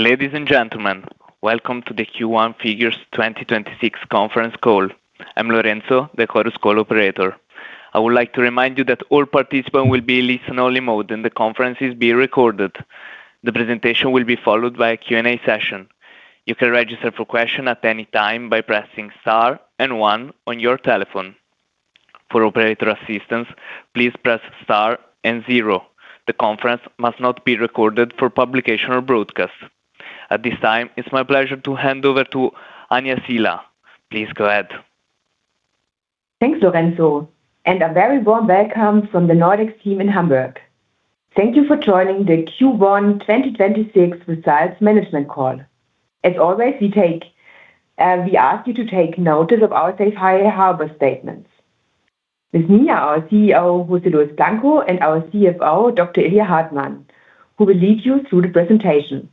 Ladies and gentlemen, welcome to the Q1 figures 2026 conference call. I'm Lorenzo, the Chorus Call operator. I would like to remind you that all participants will be in listen-only mode, and the conference is being recorded. The presentation will be followed by a Q&A session. You can register for question at any time by pressing star and one on your telephone. For operator assistance, please press star and zero. The conference must not be recorded for publication or broadcast. At this time, it's my pleasure to hand over to Anja Siehler. Please go ahead. Thanks, Lorenzo, and a very warm welcome from the Nordex team in Hamburg. Thank you for joining the Q1 2026 results management call. As always, we ask you to take notice of our Safe Harbor statements. With me are our CEO, José Luis Blanco, and our CFO, Dr. Ilya Hartmann, who will lead you through the presentation.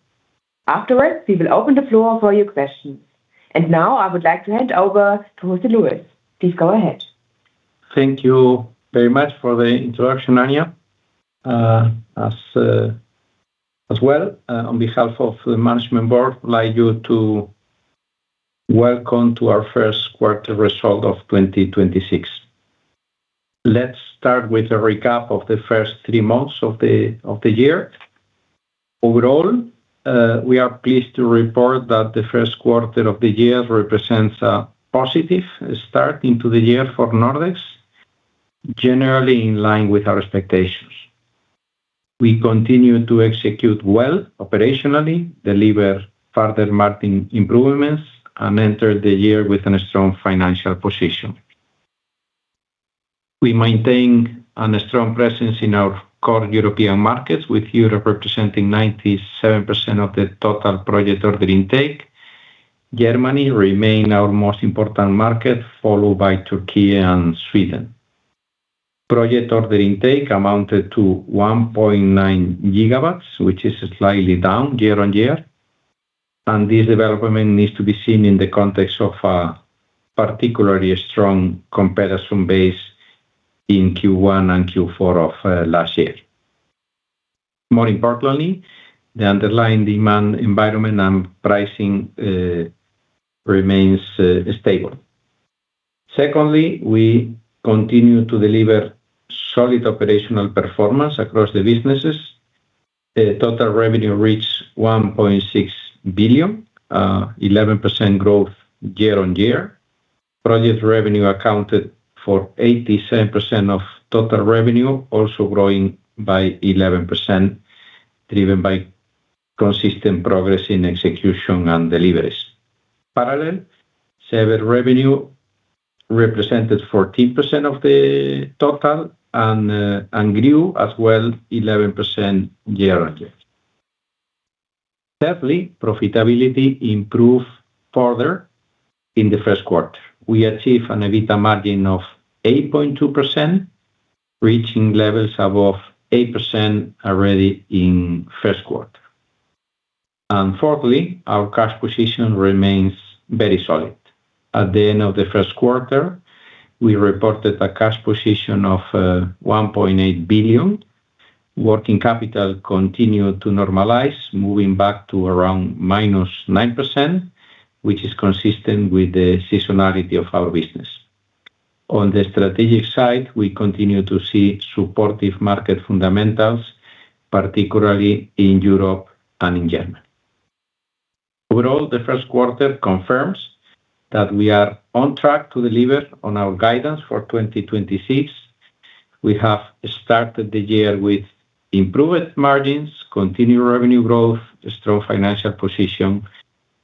Afterwards, we will open the floor for your questions. Now I would like to hand over to José Luis. Please go ahead. Thank you very much for the introduction, Anja. As well, on behalf of the Management Board, I would like to welcome you to our first quarter results of 2026. Let's start with a recap of the first three months of the year. Overall, we are pleased to report that the first quarter of the year represents a positive start into the year for Nordex, generally in line with our expectations. We continue to execute well operationally, deliver further margin improvements, and enter the year with a strong financial position. We maintain a strong presence in our core European markets, with Europe representing 97% of the total project order intake. Germany remains our most important market, followed by Turkey and Sweden. Project order intake amounted to 1.9 GW, which is slightly down year-on-year, and this development needs to be seen in the context of a particularly strong comparison base in Q1 and Q4 of last year. More importantly, the underlying demand environment and pricing remains stable. Secondly, we continue to deliver solid operational performance across the businesses. The total revenue reached 1.6 billion, 11% growth year-on-year. Project revenue accounted for 87% of total revenue, also growing by 11%, driven by consistent progress in execution and deliveries. Parallel, service revenue represented 14% of the total and grew as well 11% year-on-year. Thirdly, profitability improved further in the first quarter. We achieved an EBITDA margin of 8.2%, reaching levels above 8% already in first quarter. Fourthly, our cash position remains very solid. At the end of the first quarter, we reported a cash position of 1.8 billion. Working capital continued to normalize, moving back to around -9%, which is consistent with the seasonality of our business. On the strategic side, we continue to see supportive market fundamentals, particularly in Europe and in Germany. Overall, the first quarter confirms that we are on track to deliver on our guidance for 2026. We have started the year with improved margins, continued revenue growth, a strong financial position,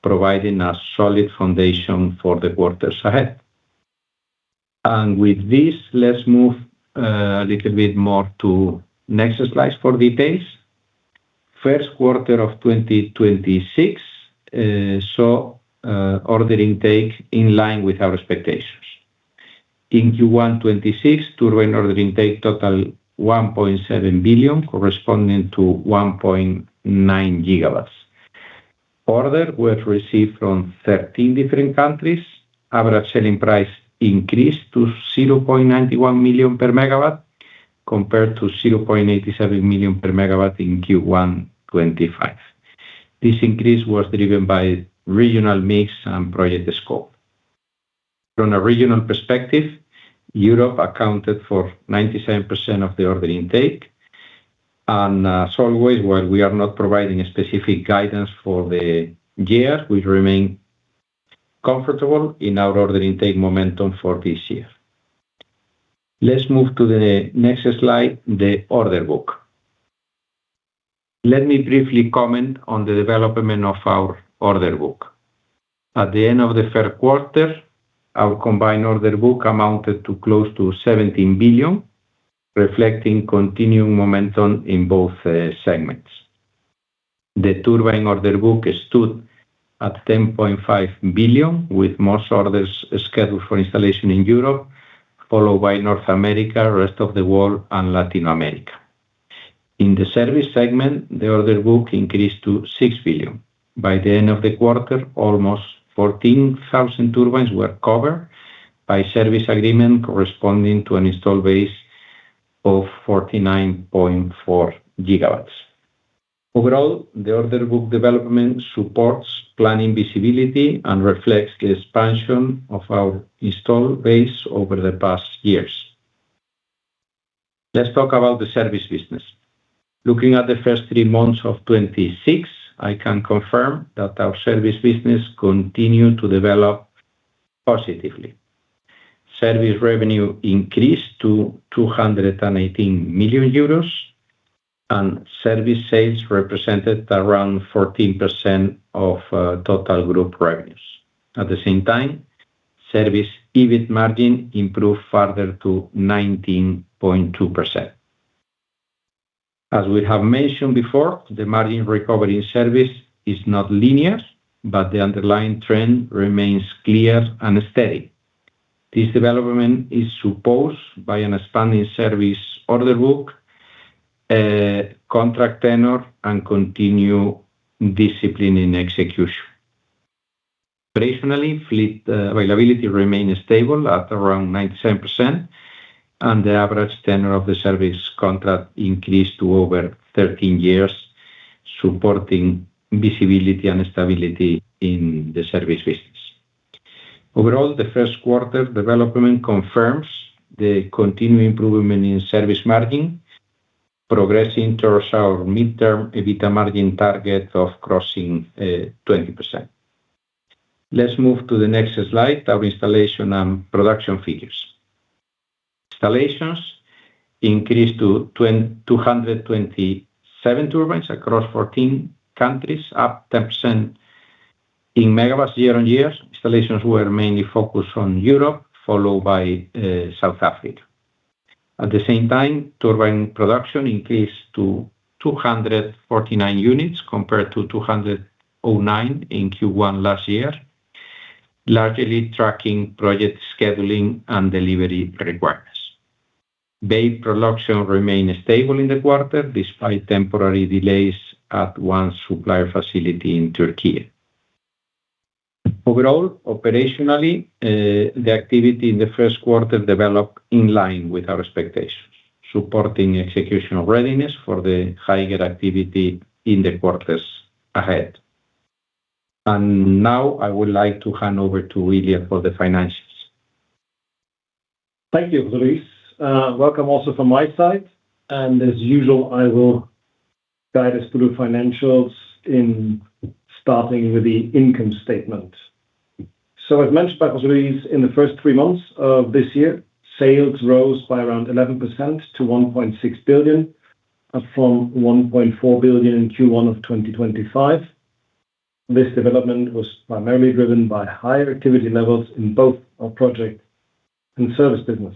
providing a solid foundation for the quarters ahead. With this, let's move a little bit more to next slide for details. First quarter of 2026 saw order intake in line with our expectations. In Q1 2026, turbine order intake total 1.7 billion, corresponding to 1.9 GW. Orders were received from 13 different countries. Average selling price increased to 0.91 million/MW compared to 0.87 million/MW in Q1 2025. This increase was driven by regional mix and project scope. From a regional perspective, Europe accounted for 97% of the order intake. As always, while we are not providing a specific guidance for the year, we remain comfortable in our order intake momentum for this year. Let's move to the next slide, the order book. Let me briefly comment on the development of our order book. At the end of the third quarter, our combined order book amounted to close to 17 billion, reflecting continuing momentum in both segments. The turbine order book stood at 10.5 billion, with most orders scheduled for installation in Europe, followed by North America, rest of the world, and Latin America. In the service segment, the order book increased to 6 billion. By the end of the quarter, almost 14,000 turbines were covered by service agreements corresponding to an installed base of 49.4 GW. Overall, the order book development supports planning visibility and reflects the expansion of our installed base over the past years. Let's talk about the service business. Looking at the first three months of 2026, I can confirm that our service business continued to develop positively. Service revenue increased to 218 million euros, and service sales represented around 14% of total group revenues. At the same time, service EBIT margin improved further to 19.2%. As we have mentioned before, the margin recovery service is not linear, but the underlying trend remains clear and steady. This development is suppossed by an expanding service order book, contract tenor, and continued discipline in execution. Operationally, fleet availability remained stable at around 97%, and the average tenor of the service contract increased to over 13 years, supporting visibility and stability in the service business. Overall, the first quarter development confirms the continued improvement in service margin, progressing towards our midterm EBITDA margin target of crossing 20%. Let's move to the next slide, our installation and production figures. Installations increased to 227 turbines across 14 countries, up 10% in megawatts year-on-year. Installations were mainly focused on Europe, followed by South Africa. At the same time, turbine production increased to 249 units compared to 209 in Q1 last year, largely tracking project scheduling and delivery requirements. Blade production remained stable in the quarter, despite temporary delays at one supplier facility in Turkey. Overall, operationally, the activity in the first quarter developed in line with our expectations, supporting executional readiness for the higher activity in the quarters ahead. Now I would like to hand over to Ilya for the financials. Thank you, Luis. Welcome also from my side. As usual, I will guide us through the financials in starting with the income statement. As mentioned by José Luis, in the first three months of this year, sales rose by around 11% to 1.6 billion, up from 1.4 billion in Q1 of 2025. This development was primarily driven by higher activity levels in both our project and service business.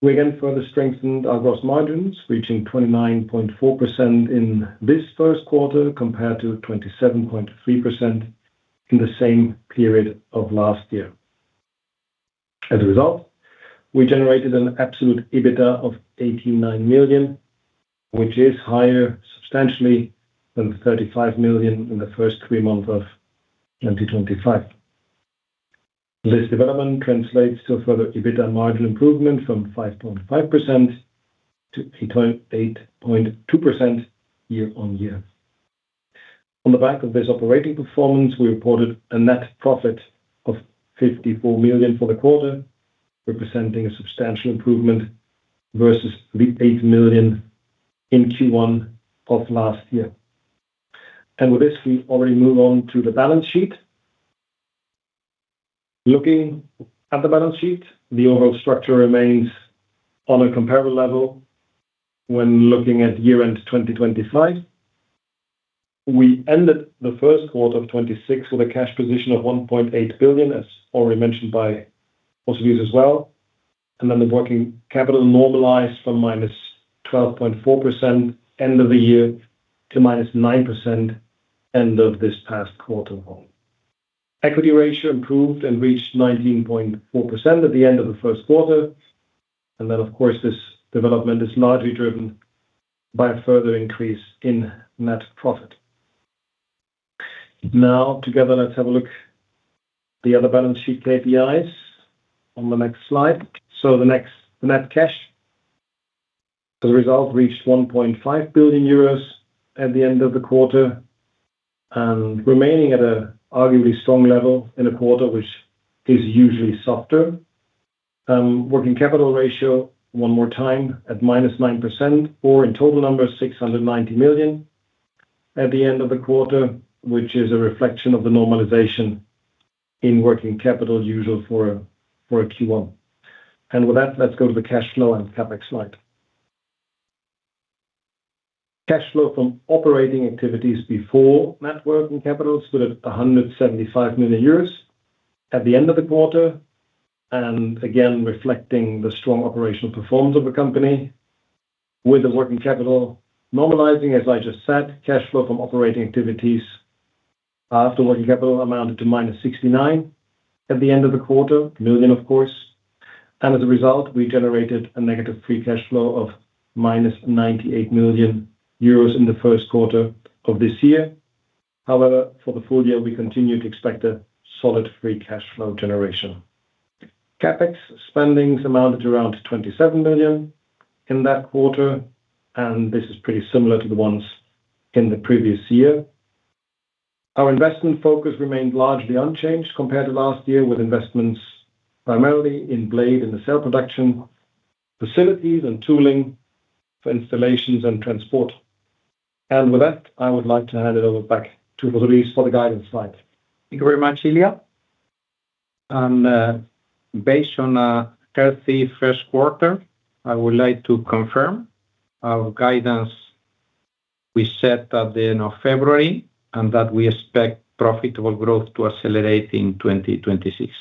We again further strengthened our gross margins, reaching 29.4% in this first quarter, compared to 27.3% in the same period of last year. As a result, we generated an absolute EBITDA of 89 million, which is higher substantially than the 35 million in the first three months of 2025. This development translates to further EBITDA margin improvement from 5.5% to 8.2% year-on-year. On the back of this operating performance, we reported a net profit of 54 million for the quarter, representing a substantial improvement versus the 8 million in Q1 of last year. With this, we already move on to the balance sheet. Looking at the balance sheet, the overall structure remains on a comparable level when looking at year-end 2025. We ended the first quarter of 2026 with a cash position of 1.8 billion, as already mentioned by José Luis as well. Then the working capital normalized from -12.4% end of the year to -9% end of this past quarter. Equity ratio improved and reached 19.4% at the end of the first quarter. Of course, this development is largely driven by a further increase in net profit. Now, together, let's have a look at the other balance sheet KPIs on the next slide. Net cash as a result reached 1.5 billion euros at the end of the quarter and remaining at an arguably strong level in a quarter which is usually softer. Working capital ratio one more time at -9% or in total numbers, 690 million at the end of the quarter, which is a reflection of the normalization in working capital usual for a Q1. With that, let's go to the cash flow and CapEx slide. Cash flow from operating activities before net working capital stood at 175 million euros at the end of the quarter, and again reflecting the strong operational performance of the company. With the working capital normalizing, as I just said, cash flow from operating activities after working capital amounted to -69 million at the end of the quarter, of course. As a result, we generated a negative free cash flow of -98 million euros in the first quarter of this year. However, for the full year, we continue to expect a solid free cash flow generation. CapEx spendings amounted around 27 million in that quarter, and this is pretty similar to the ones in the previous year. Our investment focus remained largely unchanged compared to last year, with investments primarily in blade, in the cell production, facilities and tooling for installations and transport. With that, I would like to hand it over back to José Luis for the guidance slide. Thank you very much, Ilya. Based on a healthy first quarter, I would like to confirm our guidance we set at the end of February, and that we expect profitable growth to accelerate in 2026.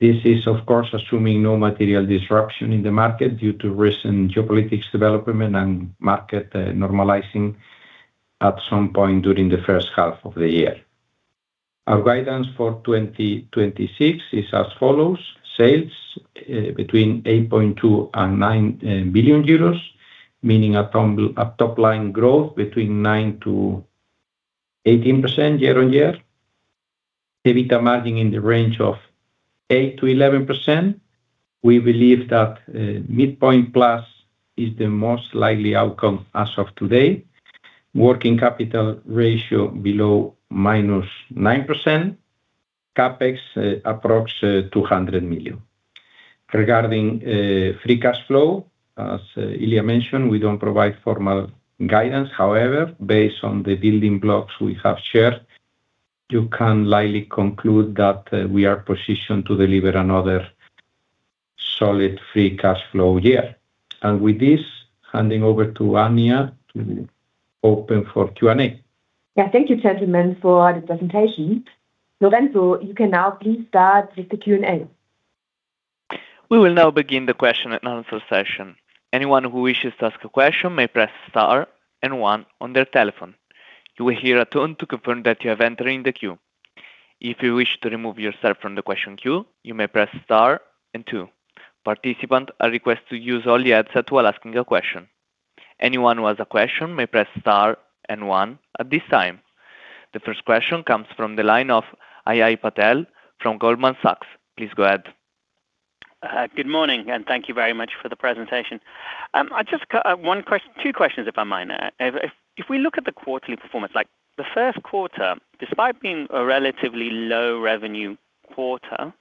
This is, of course, assuming no material disruption in the market due to recent geopolitics developments and market normalizing at some point during the first half of the year. Our guidance for 2026 is as follows. Sales between 8.2 billion and 9 billion euros, meaning a top line growth between 9%-18% year-on-year. EBITDA margin in the range of 8%-11%. We believe that midpoint plus is the most likely outcome as of today. Working capital ratio below -9%. CapEx approx 200 million. Regarding free cash flow, as Ilya mentioned, we don't provide formal guidance. However, based on the building blocks we have shared, you can likely conclude that we are positioned to deliver another solid free cash flow year. With this, handing over to Anja to open for Q&A. Yeah. Thank you, gentlemen, for the presentation. Lorenzo, you can now please start with the Q&A. We will now begin the question-and-answer session. Anyone who wishes to ask a question may press star and one on their telephone. You will hear a tone to confirm that you have entered the queue. If you wish to remove yourself from the question queue, you may press star and two. Participants are requested to use only headsets while asking a question. Anyone who has a question may press star and one at this time. The first question comes from the line of Ajay Patel from Goldman Sachs. Please go ahead. Good morning, and thank you very much for the presentation. I just got one or two questions, if I might. If we look at the quarterly performance, like the first quarter, despite being a relatively low revenue quarter,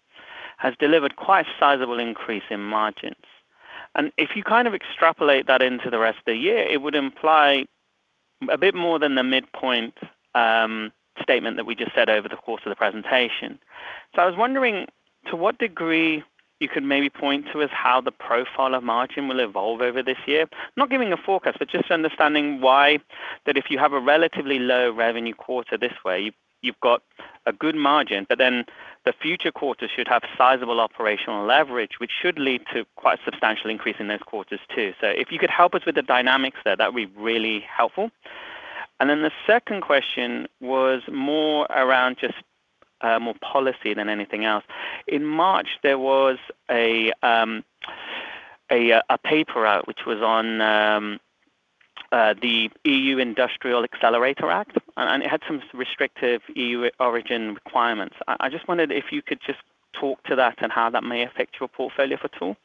has delivered quite a sizable increase in margins. If you kind of extrapolate that into the rest of the year, it would imply a bit more than the midpoint statement that we just said over the course of the presentation. I was wondering to what degree you could maybe point to as to how the profile of margin will evolve over this year? Not giving a forecast, but just understanding why that if you have a relatively low revenue quarter this way, you've got a good margin, but then the future quarters should have sizable operational leverage, which should lead to quite substantial increase in those quarters too. If you could help us with the dynamics there, that'd be really helpful. The second question was more around just more policy than anything else. In March, there was a paper out which was on the EU Industrial Accelerator Act, and it had some restrictive EU origin requirements. I just wondered if you could just talk to that and how that may affect your portfolio for tool.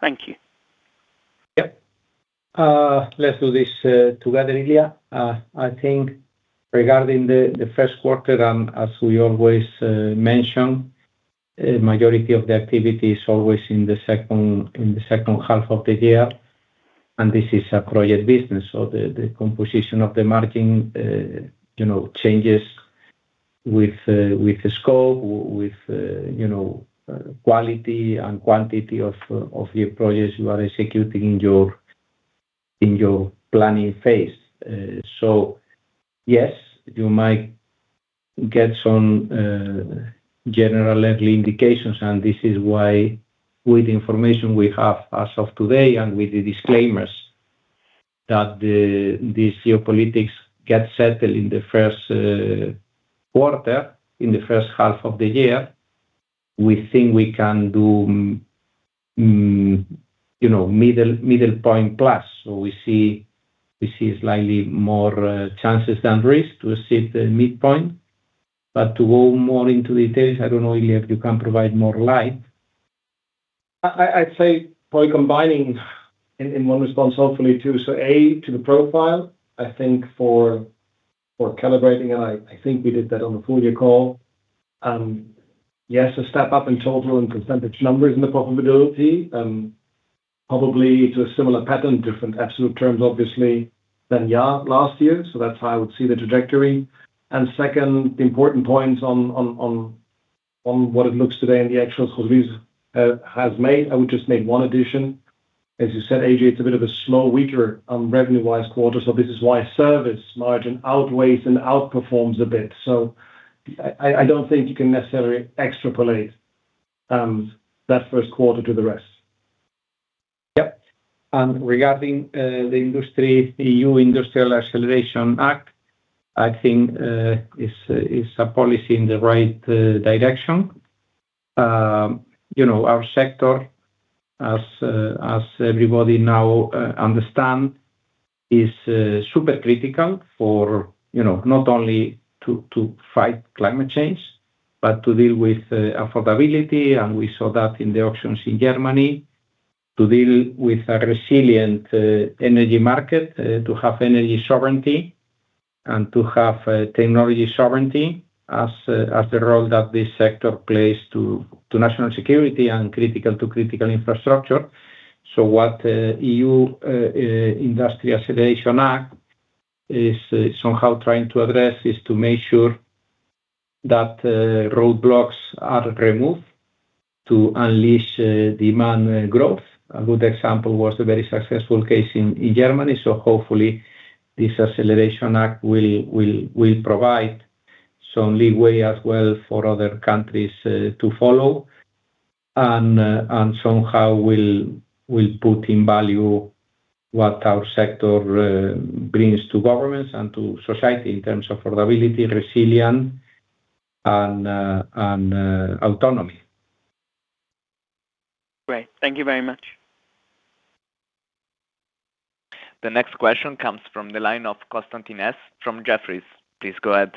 Thank you. Yep. Let's do this together, Ilya. I think regarding the first quarter, as we always mention, a majority of the activity is always in the second half of the year, and this is a project business. The composition of the margin, you know, changes with the scope, with quality and quantity of your projects you are executing in your planning phase. Yes, you might get some general level indications, and this is why with the information we have as of today and with the disclaimers that these geopolitics get settled in the first quarter, in the first half of the year, we think we can do, you know, middle point plus. We see slightly more chances than risk to accept the midpoint. To go more into details, I don't know, Ilya, if you can provide more light. I'd say probably combining in one response hopefully too. To the profile, I think for calibrating, and I think we did that on the full year call. Yes, a step up in total and percentage numbers in the profitability, probably to a similar pattern, different absolute terms obviously than last year. That's how I would see the trajectory. Second important points on what it looks today and the actions José Luis has made, I would just make one addition. As you said, Ajay, it's a bit of a slow, weaker revenue-wise quarter. This is why service margin outweighs and outperforms a bit. I don't think you can necessarily extrapolate that first quarter to the rest. Yep. Regarding the industry, EU Industrial Acceleration Act, I think is a policy in the right direction. You know, our sector as everybody now understand is super critical for, you know, not only to fight climate change, but to deal with affordability, and we saw that in the auctions in Germany. To deal with a resilient energy market, to have energy sovereignty and to have technology sovereignty as the role that this sector plays to national security and critical infrastructure. What the EU Industrial Acceleration Act is somehow trying to address is to make sure that roadblocks are removed to unleash demand growth. A good example was a very successful case in Germany, so hopefully this Acceleration Act will provide some leeway as well for other countries to follow and somehow will put in value what our sector brings to governments and to society in terms of affordability, resilience, and autonomy. Great. Thank you very much. The next question comes from the line of Constantin Hesse from Jefferies. Please go ahead.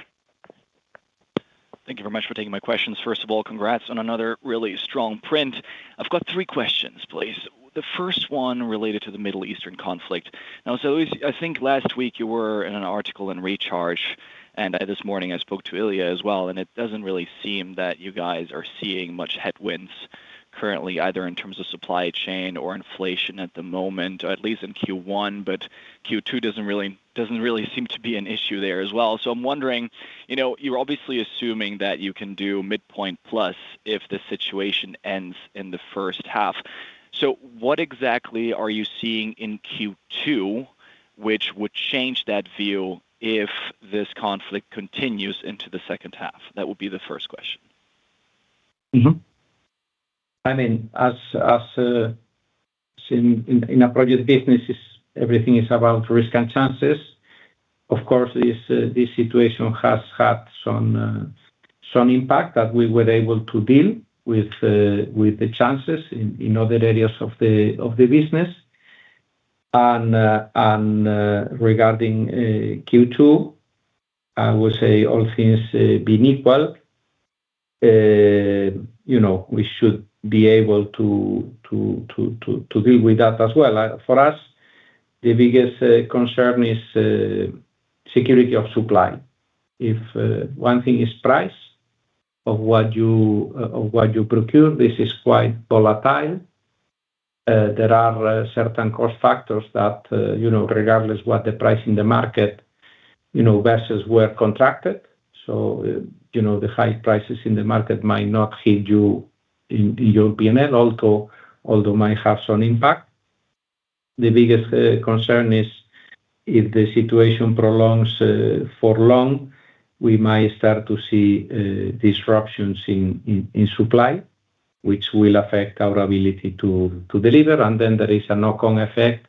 Thank you very much for taking my questions. First of all, congrats on another really strong print. I've got three questions, please. The first one related to the Middle Eastern conflict. Now, I think last week you were in an article in Recharge, and this morning I spoke to Ilya as well, and it doesn't really seem that you guys are seeing much headwinds currently, either in terms of supply chain or inflation at the moment, at least in Q1, but Q2 doesn't really seem to be an issue there as well. I'm wondering, you know, you're obviously assuming that you can do midpoint plus if the situation ends in the first half. What exactly are you seeing in Q2 which would change that view if this conflict continues into the second half? That would be the first question. I mean, seen in a project business everything is about risk and chances. Of course this situation has had some impact that we were able to deal with the chances in other areas of the business. Regarding Q2, I would say all things being equal, you know, we should be able to deal with that as well. For us, the biggest concern is security of supply. If one thing is price of what you procure, this is quite volatile. There are certain cost factors that, you know, regardless what the price in the market, you know, versus we're contracted, so, you know, the high prices in the market might not hit you in your P&L although it might have some impact. The biggest concern is if the situation prolongs for long, we might start to see disruptions in supply, which will affect our ability to deliver. Then there is a knock-on effect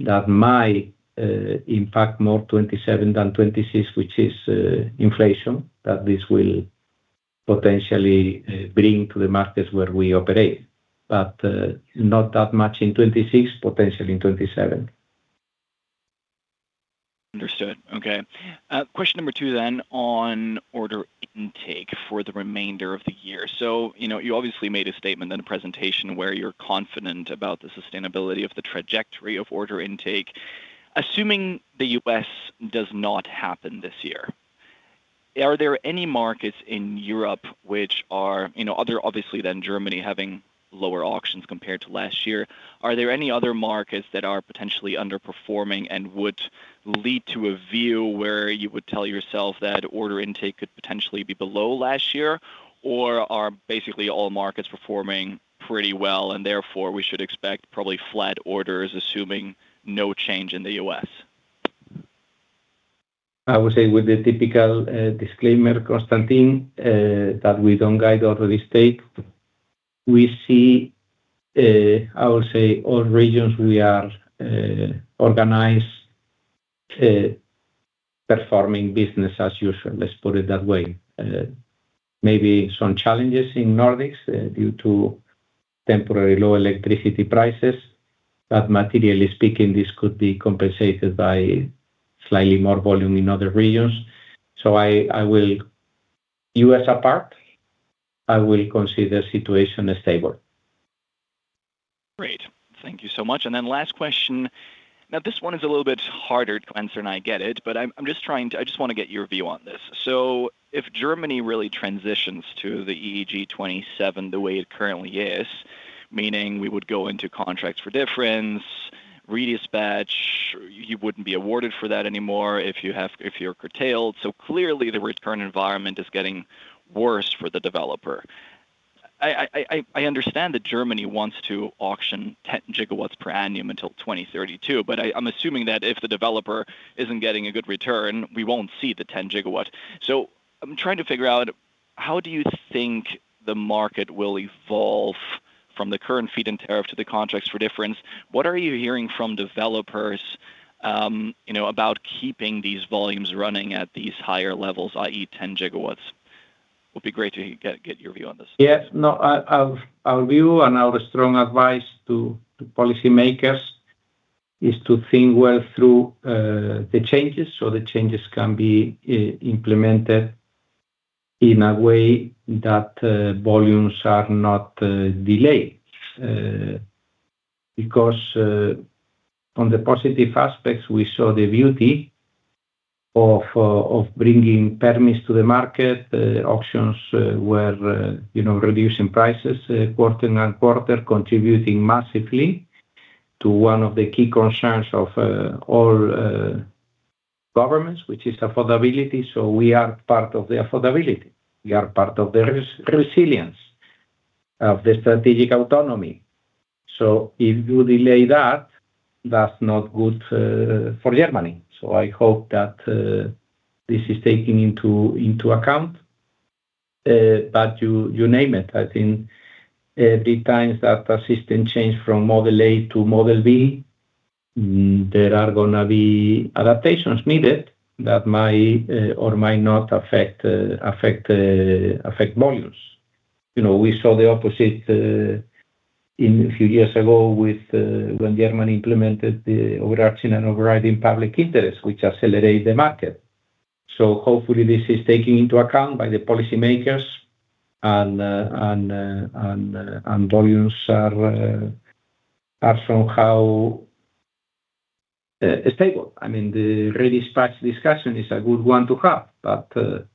that might impact more 2027 than 2026, which is inflation, that this will potentially bring to the markets where we operate. Not that much in 2026, potentially in 2027. Understood. Okay, question number two then on order intake for the remainder of the year. You know, you obviously made a statement in the presentation where you're confident about the sustainability of the trajectory of order intake. Assuming the U.S. does not happen this year, are there any markets in Europe which are, you know, other than, obviously, Germany having lower auctions compared to last year, are there any other markets that are potentially underperforming and would lead to a view where you would tell yourself that order intake could potentially be below last year? Or are basically all markets performing pretty well, and therefore we should expect probably flat orders, assuming no change in the U.S.? I would say with the typical disclaimer, Constantin, that we don't guide or restate. We see, I would say, all regions we are organized performing business as usual. Let's put it that way. Maybe some challenges in Nordex due to temporary low electricity prices, but materially speaking, this could be compensated by slightly more volume in other regions. I will, U.S. apart, consider the situation as stable. Great. Thank you so much. Last question. Now, this one is a little bit harder to answer, and I get it, but I just wanna get your view on this. If Germany really transitions to the EEG 2027 the way it currently is, meaning we would go into contracts for difference, redispatch, you wouldn't be awarded for that anymore if you're curtailed, so clearly the return environment is getting worse for the developer. I understand that Germany wants to auction 10 GW per annum until 2032, but I'm assuming that if the developer isn't getting a good return, we won't see the 10 GW. I'm trying to figure out, how do you think the market will evolve from the current feed-in tariff to the contracts for difference, what are you hearing from developers, you know, about keeping these volumes running at these higher levels, i.e. 10 GW? Would be great to get your view on this. Yes. No, our view and our strong advice to policymakers is to think well through the changes so the changes can be implemented in a way that volumes are not delayed. Because on the positive aspects, we saw the beauty of bringing permits to the market. Auctions were, you know, reducing prices quarter-on-quarter, contributing massively to one of the key concerns of all governments, which is affordability. We are part of the affordability. We are part of the resilience of the strategic autonomy. If you delay that's not good for Germany. I hope that this is taken into account. But you name it. I think the times that a system changed from model A to model B, there are gonna be adaptations needed that might or might not affect volumes. You know, we saw the opposite in a few years ago with when Germany implemented the overriding public interest, which accelerate the market. Hopefully this is taken into account by the policymakers and volumes are somehow stable. I mean, the redispatch discussion is a good one to have.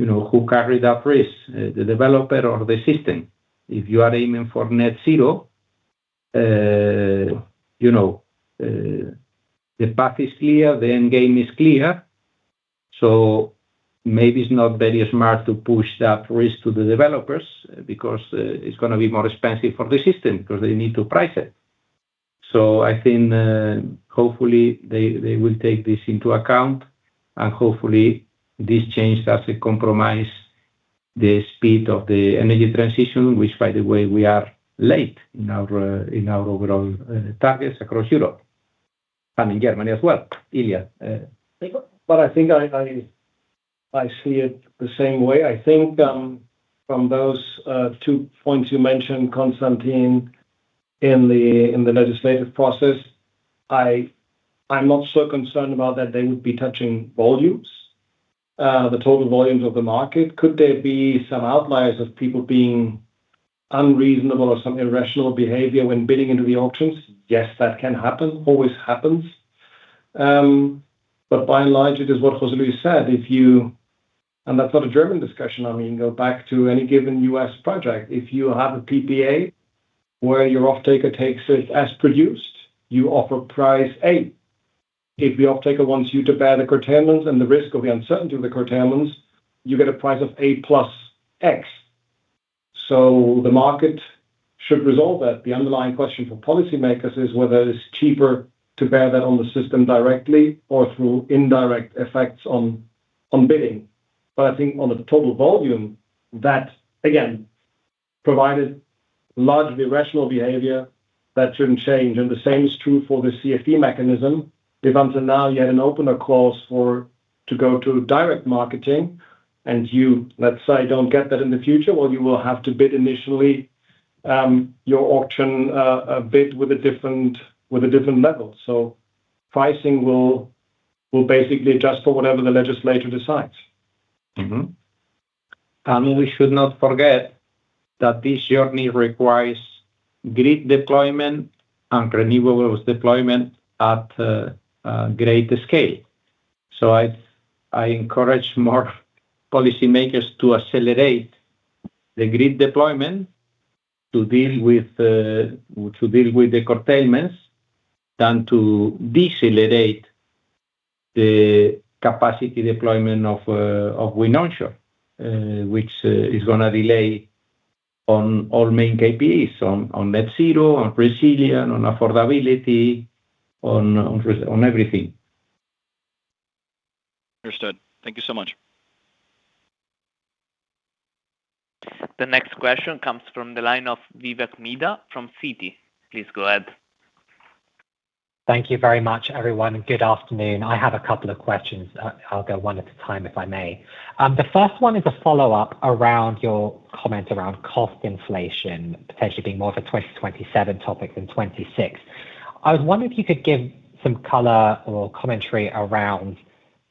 You know, who carried that risk, the developer or the system? If you are aiming for Net Zero, you know, the path is clear, the end game is clear, so maybe it's not very smart to push that risk to the developers because it's gonna be more expensive for the system because they need to price it. So I think, hopefully they will take this into account, and hopefully this change doesn't compromise the speed of the energy transition, which, by the way, we are late in our in our overall targets across Europe and in Germany as well. Ilya. Well, I think I see it the same way. I think from those two points you mentioned, Constantin, in the legislative process, I'm not so concerned about that they would be touching volumes, the total volumes of the market. Could there be some outliers of people being unreasonable or some irrational behavior when bidding into the auctions? Yes, that can happen. Always happens. But by and large, it is what José Luis said. That's not a German discussion. I mean, go back to any given U.S. project. If you have a PPA where your offtaker takes it as produced, you offer price A. If the offtaker wants you to bear the curtailments and the risk of the uncertainty of the curtailments, you get a price of A plus X. The market should resolve that. The underlying question for policymakers is whether it's cheaper to bear that on the system directly or through indirect effects on bidding. I think on the total volume, that again, provided largely rational behavior, that shouldn't change. The same is true for the CfD mechanism. If until now you had an opener clause for to go to direct marketing, and you, let's say, don't get that in the future, well, you will have to bid initially your auction a bid with a different level. Pricing will basically adjust for whatever the legislator decides. Mm-hmm. We should not forget that this journey requires grid deployment and renewables deployment at a great scale. I encourage more policymakers to accelerate the grid deployment to deal with the curtailments than to decelerate the capacity deployment of wind onshore, which is gonna delay on all main KPIs, on Net Zero, on resilience, on affordability, on everything. Understood. Thank you so much. The next question comes from the line of Vivek Midha from Citi. Please go ahead. Thank you very much, everyone. Good afternoon. I have a couple of questions. I'll go one at a time, if I may. The first one is a follow-up around your comment around cost inflation potentially being more of a 2027 topic than 2026. I was wondering if you could give some color or commentary around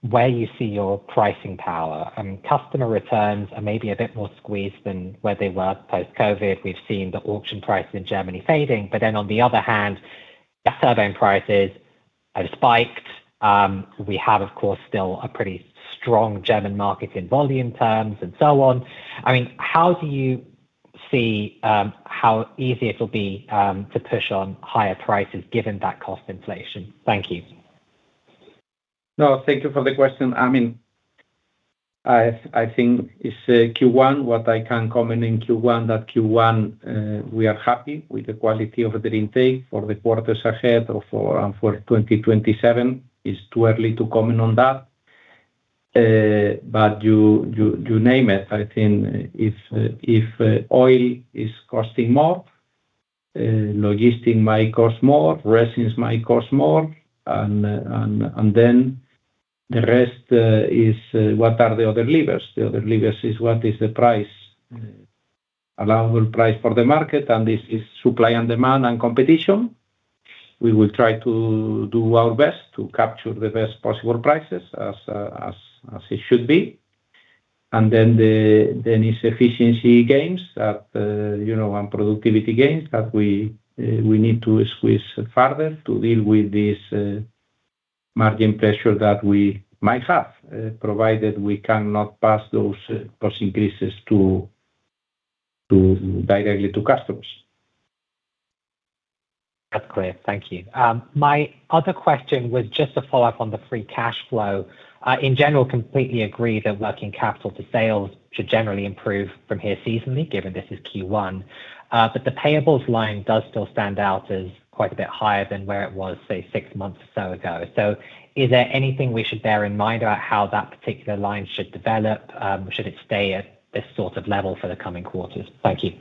where you see your pricing power. Customer returns are maybe a bit more squeezed than where they were post-COVID. We've seen the auction price in Germany fading, but then on the other hand, the surveying prices have spiked. We have, of course, still a pretty strong German market in volume terms and so on. I mean, how do you see how easy it'll be to push on higher prices given that cost inflation? Thank you. No, thank you for the question. I mean, I think it's Q1. What I can comment on in Q1 is that in Q1 we are happy with the quality of the intake. For the quarters ahead or for 2027, it's too early to comment on that. You name it. I think if oil is costing more, logistics might cost more, resins might cost more. Then the rest is what are the other levers? The other levers is what is the price, allowable price for the market, and this is supply and demand and competition. We will try to do our best to capture the best possible prices as it should be. It's efficiency gains that, you know, and productivity gains that we need to squeeze further to deal with this margin pressure that we might have, provided we cannot pass those cost increases directly to customers. That's clear. Thank you. My other question was just to follow up on the free cash flow. In general, completely agree that working capital to sales should generally improve from here seasonally, given this is Q1. The payables line does still stand out as quite a bit higher than where it was, say, six months or so ago. Is there anything we should bear in mind about how that particular line should develop? Should it stay at this sort of level for the coming quarters? Thank you.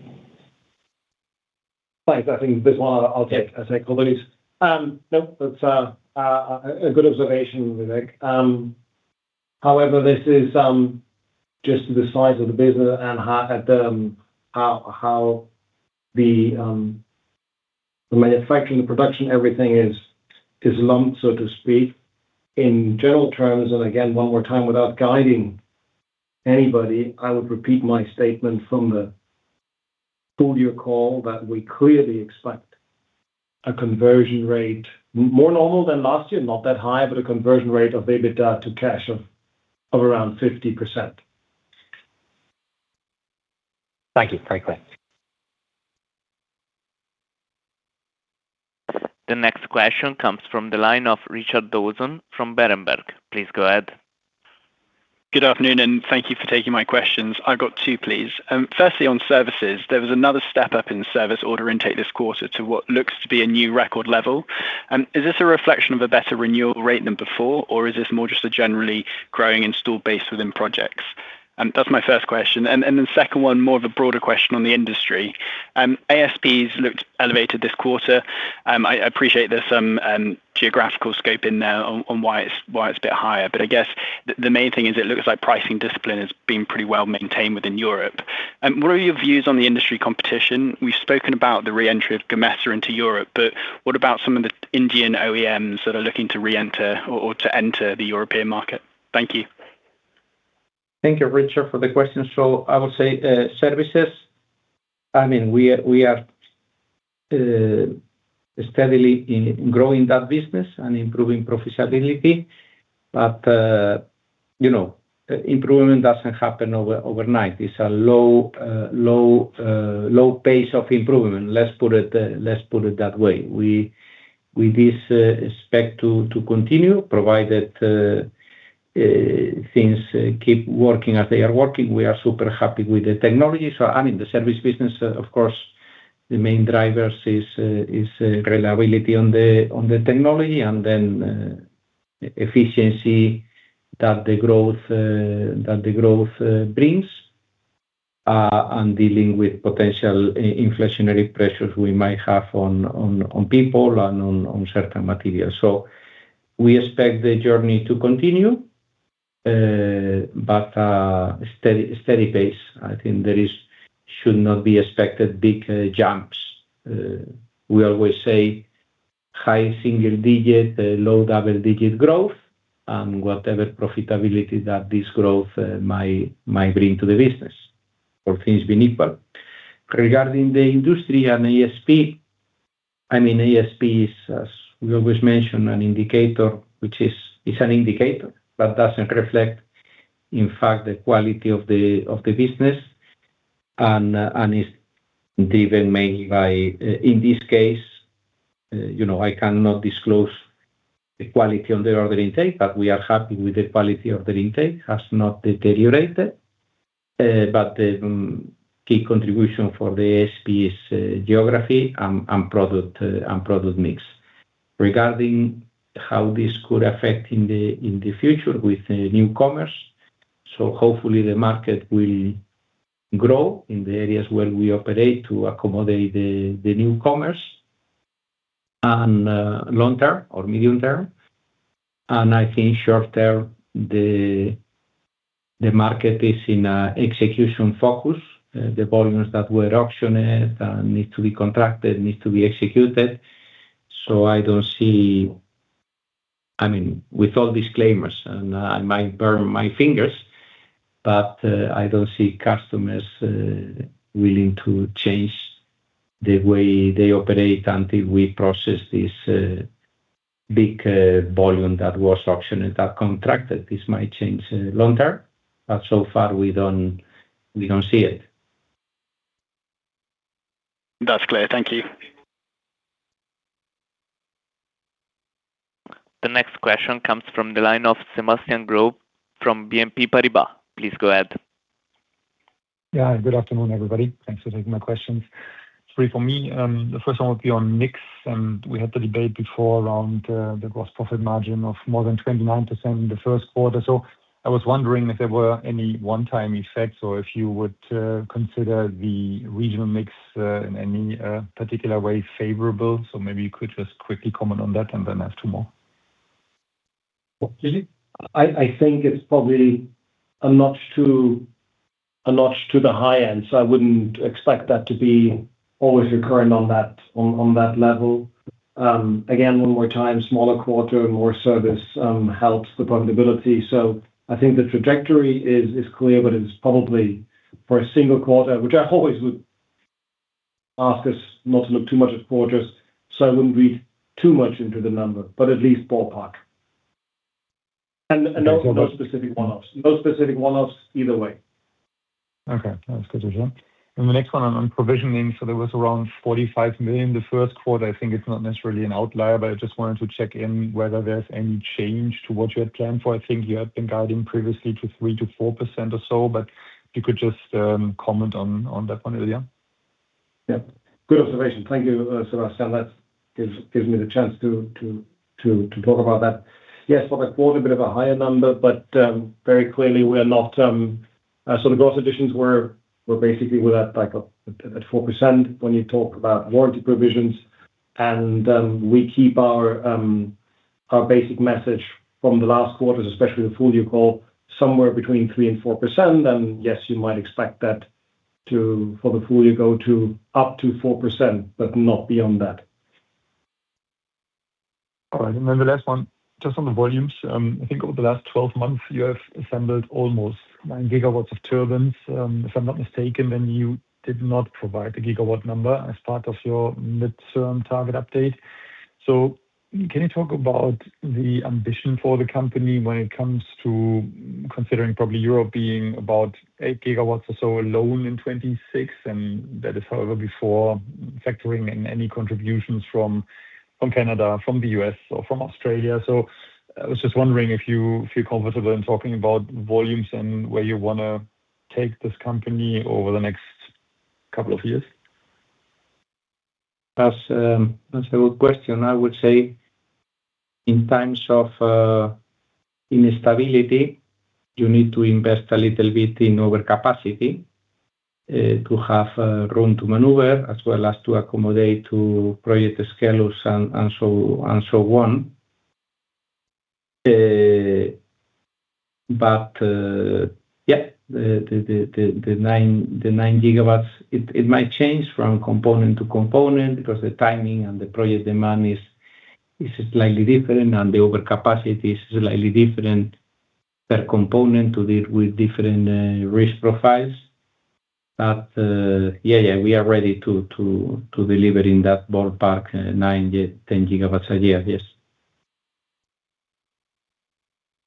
Thanks. I think this one I'll take all these. No, that's a good observation, Vivek. However, this is just the size of the business and how the manufacturing, the production, everything is lumped, so to speak. In general terms, and again, one more time without guiding anybody, I would repeat my statement from the full year call that we clearly expect a conversion rate more normal than last year, not that high, but a conversion rate of EBITDA to cash of around 50%. Thank you. Very clear. The next question comes from the line of Richard Dawson from Berenberg. Please go ahead. Good afternoon, and thank you for taking my questions. I've got two, please. Firstly, on services, there was another step up in service order intake this quarter to what looks to be a new record level. Is this a reflection of a better renewal rate than before, or is this more just a generally growing installed base within projects? That's my first question. The second one, more of a broader question on the industry. ASPs looked elevated this quarter. I appreciate there's some geographical scope in there on why it's a bit higher. I guess the main thing is it looks like pricing discipline has been pretty well maintained within Europe. What are your views on the industry competition? We've spoken about the re-entry of Gamesa into Europe, but what about some of the Indian OEMs that are looking to re-enter or to enter the European market? Thank you. Thank you, Richard, for the question. I would say services. I mean, we are steadily growing that business and improving profitability. You know, improvement doesn't happen overnight. It's a low pace of improvement. Let's put it that way. We do expect to continue, provided things keep working as they are working. We are super happy with the technology. I mean, the service business, of course, the main drivers is reliability on the technology and then efficiency that the growth brings and dealing with potential inflationary pressures we might have on people and on certain materials. We expect the journey to continue but steady pace. I think there is should not be expected. We always say high single-digit, low double-digit growth, whatever profitability that this growth might bring to the business. All things being equal. Regarding the industry and ASP, I mean, ASP is, as we always mention, an indicator, which is an indicator that doesn't reflect, in fact, the quality of the business and is driven mainly by, in this case, you know, I cannot disclose the quality of the order intake, but we are happy with the quality of the intake has not deteriorated. But the key contribution for the ASP is geography and product mix. Regarding how this could affect in the future with the newcomers. Hopefully the market will grow in the areas where we operate to accommodate the newcomers and long term or medium term. I think short term, the market is in execution focus. The volumes that were auctioned need to be contracted, needs to be executed. I don't see. I mean, with all disclaimers, and I might burn my fingers, but I don't see customers willing to change the way they operate until we process this big volume that was auctioned and that contracted. This might change long term, but so far we don't see it. That's clear. Thank you. The next question comes from the line of Sebastian Growe from BNP Paribas. Please go ahead. Yeah. Good afternoon, everybody. Thanks for taking my questions. Three for me. The first one would be on mix, and we had the debate before around the gross profit margin of more than 29% in the first quarter. I was wondering if there were any one-time effects or if you would consider the regional mix in any particular way favorable. Maybe you could just quickly comment on that, and then I have two more. I think it's probably a notch to the high end, so I wouldn't expect that to be always recurring on that level. Again, one more time, smaller quarter, more service helps the profitability. I think the trajectory is clear, but it's probably for a single quarter, which I always would ask us not to look too much at quarters, so I wouldn't read too much into the number, but at least ballpark. No specific one-offs. No specific one-offs either way. Okay. That's good to hear. The next one on provisioning. There was around 45 million the first quarter. I think it's not necessarily an outlier, but I just wanted to check in whether there's any change to what you had planned for. I think you had been guiding previously to 3%-4% or so. If you could just comment on that one, Ilya. Yeah. Good observation. Thank you, Sebastian. That gives me the chance to talk about that. Yes, for the quarter, a bit of a higher number, but very clearly we're not. So the gross additions were basically without back up at 4% when you talk about warranty provisions. We keep our basic message from the last quarters, especially the full-year call, somewhere between 3%-4%. Yes, you might expect that for the full year to go up to 4%, but not beyond that. All right. The last one, just on the volumes. I think over the last 12 months, you have assembled almost 9 GW of turbines, if I'm not mistaken. You did not provide the gigawatt number as part of your midterm target update. Can you talk about the ambition for the company when it comes to considering probably Europe being about 8 GW or so alone in 2026, and that is however before factoring in any contributions from Canada, from the U.S. or from Australia. I was just wondering if you feel comfortable in talking about volumes and where you wanna take this company over the next couple of years. That's a good question. I would say in times of instability, you need to invest a little bit in overcapacity to have room to maneuver as well as to accommodate the project scale of and so on. Yeah, the 9 GW, it might change from component to component because the timing and the project demand is slightly different and the overcapacity is slightly different per component to deal with different risk profiles. Yeah, we are ready to deliver in that ballpark, 9 GW-10 GW a year. Yes.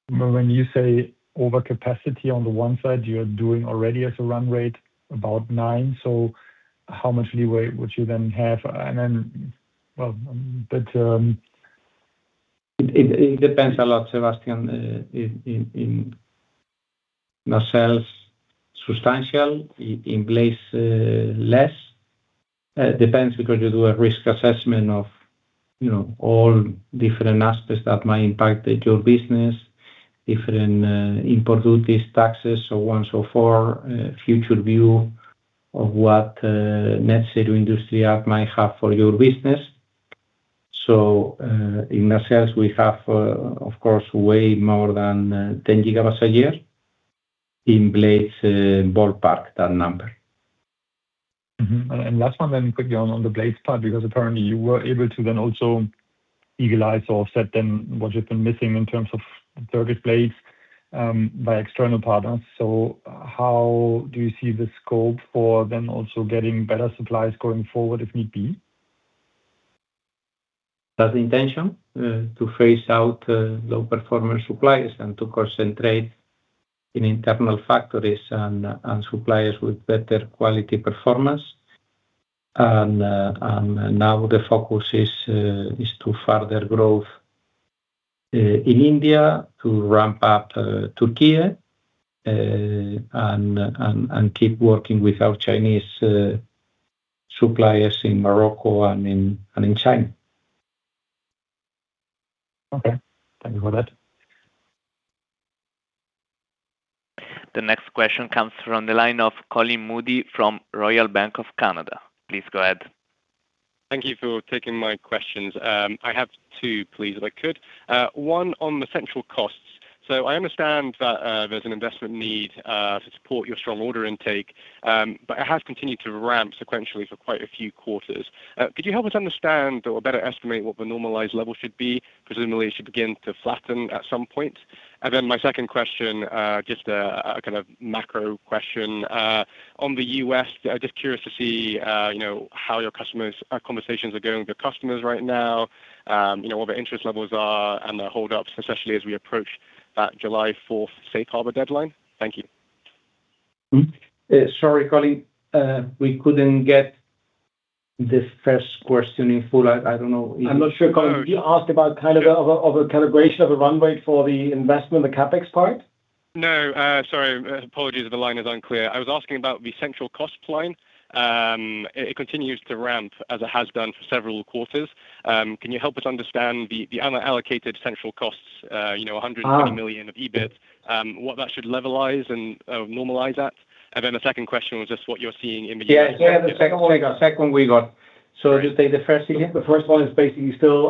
When you say overcapacity on the one side, you're doing already as a run-rate about 9 GW. How much leeway would you then have? It depends a lot, Sebastian. In nacelles, substantial. In blades, less. It depends because you do a risk assessment of, you know, all different aspects that might impact the job business, import duties, taxes, so on and so forth. Future view of what Net Zero Industry might have for your business. In nacelles, we have, of course, way more than 10 GW a year. In blades, ballpark that number. Mm-hmm. Last one then quickly on the blade part, because apparently you were able to then also equalize or offset then what you've been missing in terms of turbid blades by external partners. How do you see the scope for then also getting better supplies going forward if need be? That's the intention to phase out low performance suppliers and to concentrate in internal factories and suppliers with better quality performance. Now the focus is to further growth in India, to ramp up in Turkey, and keep working with our Chinese suppliers in Morocco and in China. Okay. Thank you for that. The next question comes from the line of Colin Moody from Royal Bank of Canada. Please go ahead. Thank you for taking my questions. I have two, please, if I could. One on the central costs. I understand that, there's an investment need, to support your strong order intake, but it has continued to ramp sequentially for quite a few quarters. Could you help us understand or better estimate what the normalized level should be? Presumably, it should begin to flatten at some point. My second question, just a kind of macro question, on the U.S.. Just curious to see, you know, how your customers' conversations are going with your customers right now, you know, what the interest levels are and the hold-ups, especially as we approach that July 4th Safe Harbor deadline. Thank you. Sorry, Colin. We couldn't get the first question in full, I don't know even- I'm not sure. Colin, you asked about kind of a calibration of a run-rate for the investment, the CapEx part? No. Sorry. Apologies if the line is unclear. I was asking about the central cost line. It continues to ramp as it has done for several quarters. Can you help us understand the unallocated central costs? Uh. 120 million of EBIT, what that should levelize and normalize at? The second question was just what you're seeing in the U.S.- Yeah. The second one we got. Just take the first again. The first one is basically still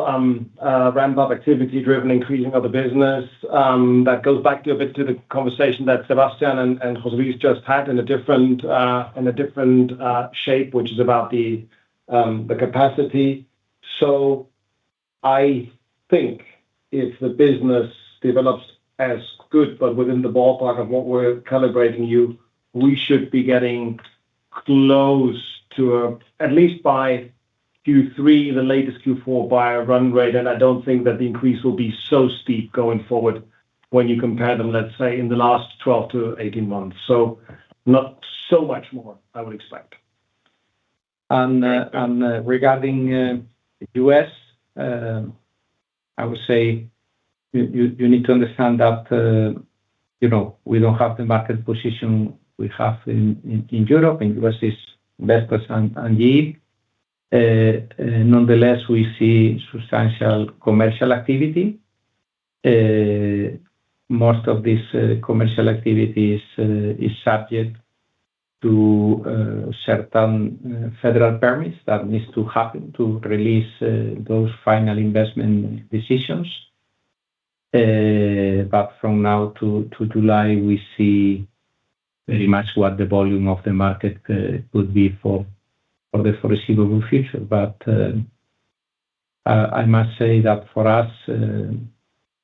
ramp-up activity driven increasing of the business. That goes back a bit to the conversation that Sebastian and José Luis just had in a different shape, which is about the capacity. I think if the business develops as good, but within the ballpark of what we're calibrating you, we should be getting close to a, at least by Q3, the latest Q4, by a run-rate. I don't think that the increase will be so steep going forward when you compare them, let's say, in the last 12-18 months. Not so much more, I would expect. Regarding U.S., I would say you need to understand that you know, we don't have the market position we have in Europe. In U.S., it's Vestas and GE. Nonetheless, we see substantial commercial activity. Most of this commercial activities is subject to certain federal permits that needs to happen to release those final investment decisions. From now to July, we see very much what the volume of the market would be for the foreseeable future. I must say that for us,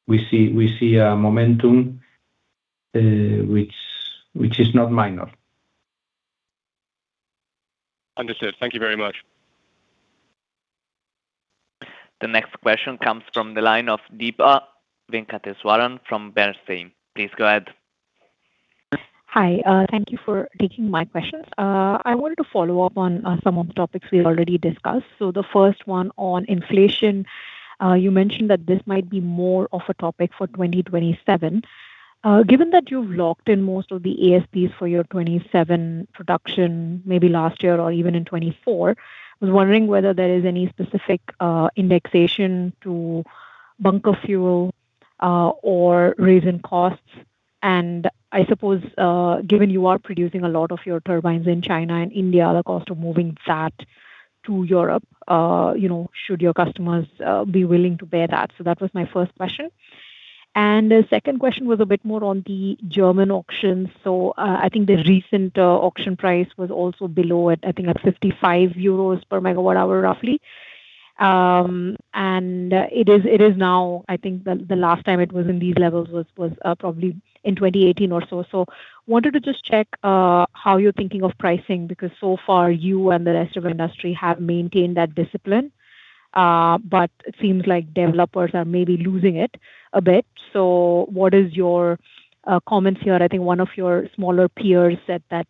we see a momentum which is not minor. Understood. Thank you very much. The next question comes from the line of Deepa Venkateswaran from Bernstein. Please go ahead. Hi. Thank you for taking my questions. I wanted to follow up on some of the topics we already discussed. The first one on inflation. You mentioned that this might be more of a topic for 2027. Given that you've locked in most of the ASPs for your 2027 production maybe last year or even in 2024, I was wondering whether there is any specific indexation to bunker fuel or rise in costs. I suppose, given you are producing a lot of your turbines in China and India, the cost of moving that to Europe, you know, should your customers be willing to bear that? That was my first question. The second question was a bit more on the German auctions. I think the recent auction price was also below at, I think, at 55 euros/MWh roughly. It is now. I think the last time it was in these levels was probably in 2018 or so. Wanted to just check how you're thinking of pricing, because so far you and the rest of industry have maintained that discipline, but it seems like developers are maybe losing it a bit. What is your comments here? I think one of your smaller peers said that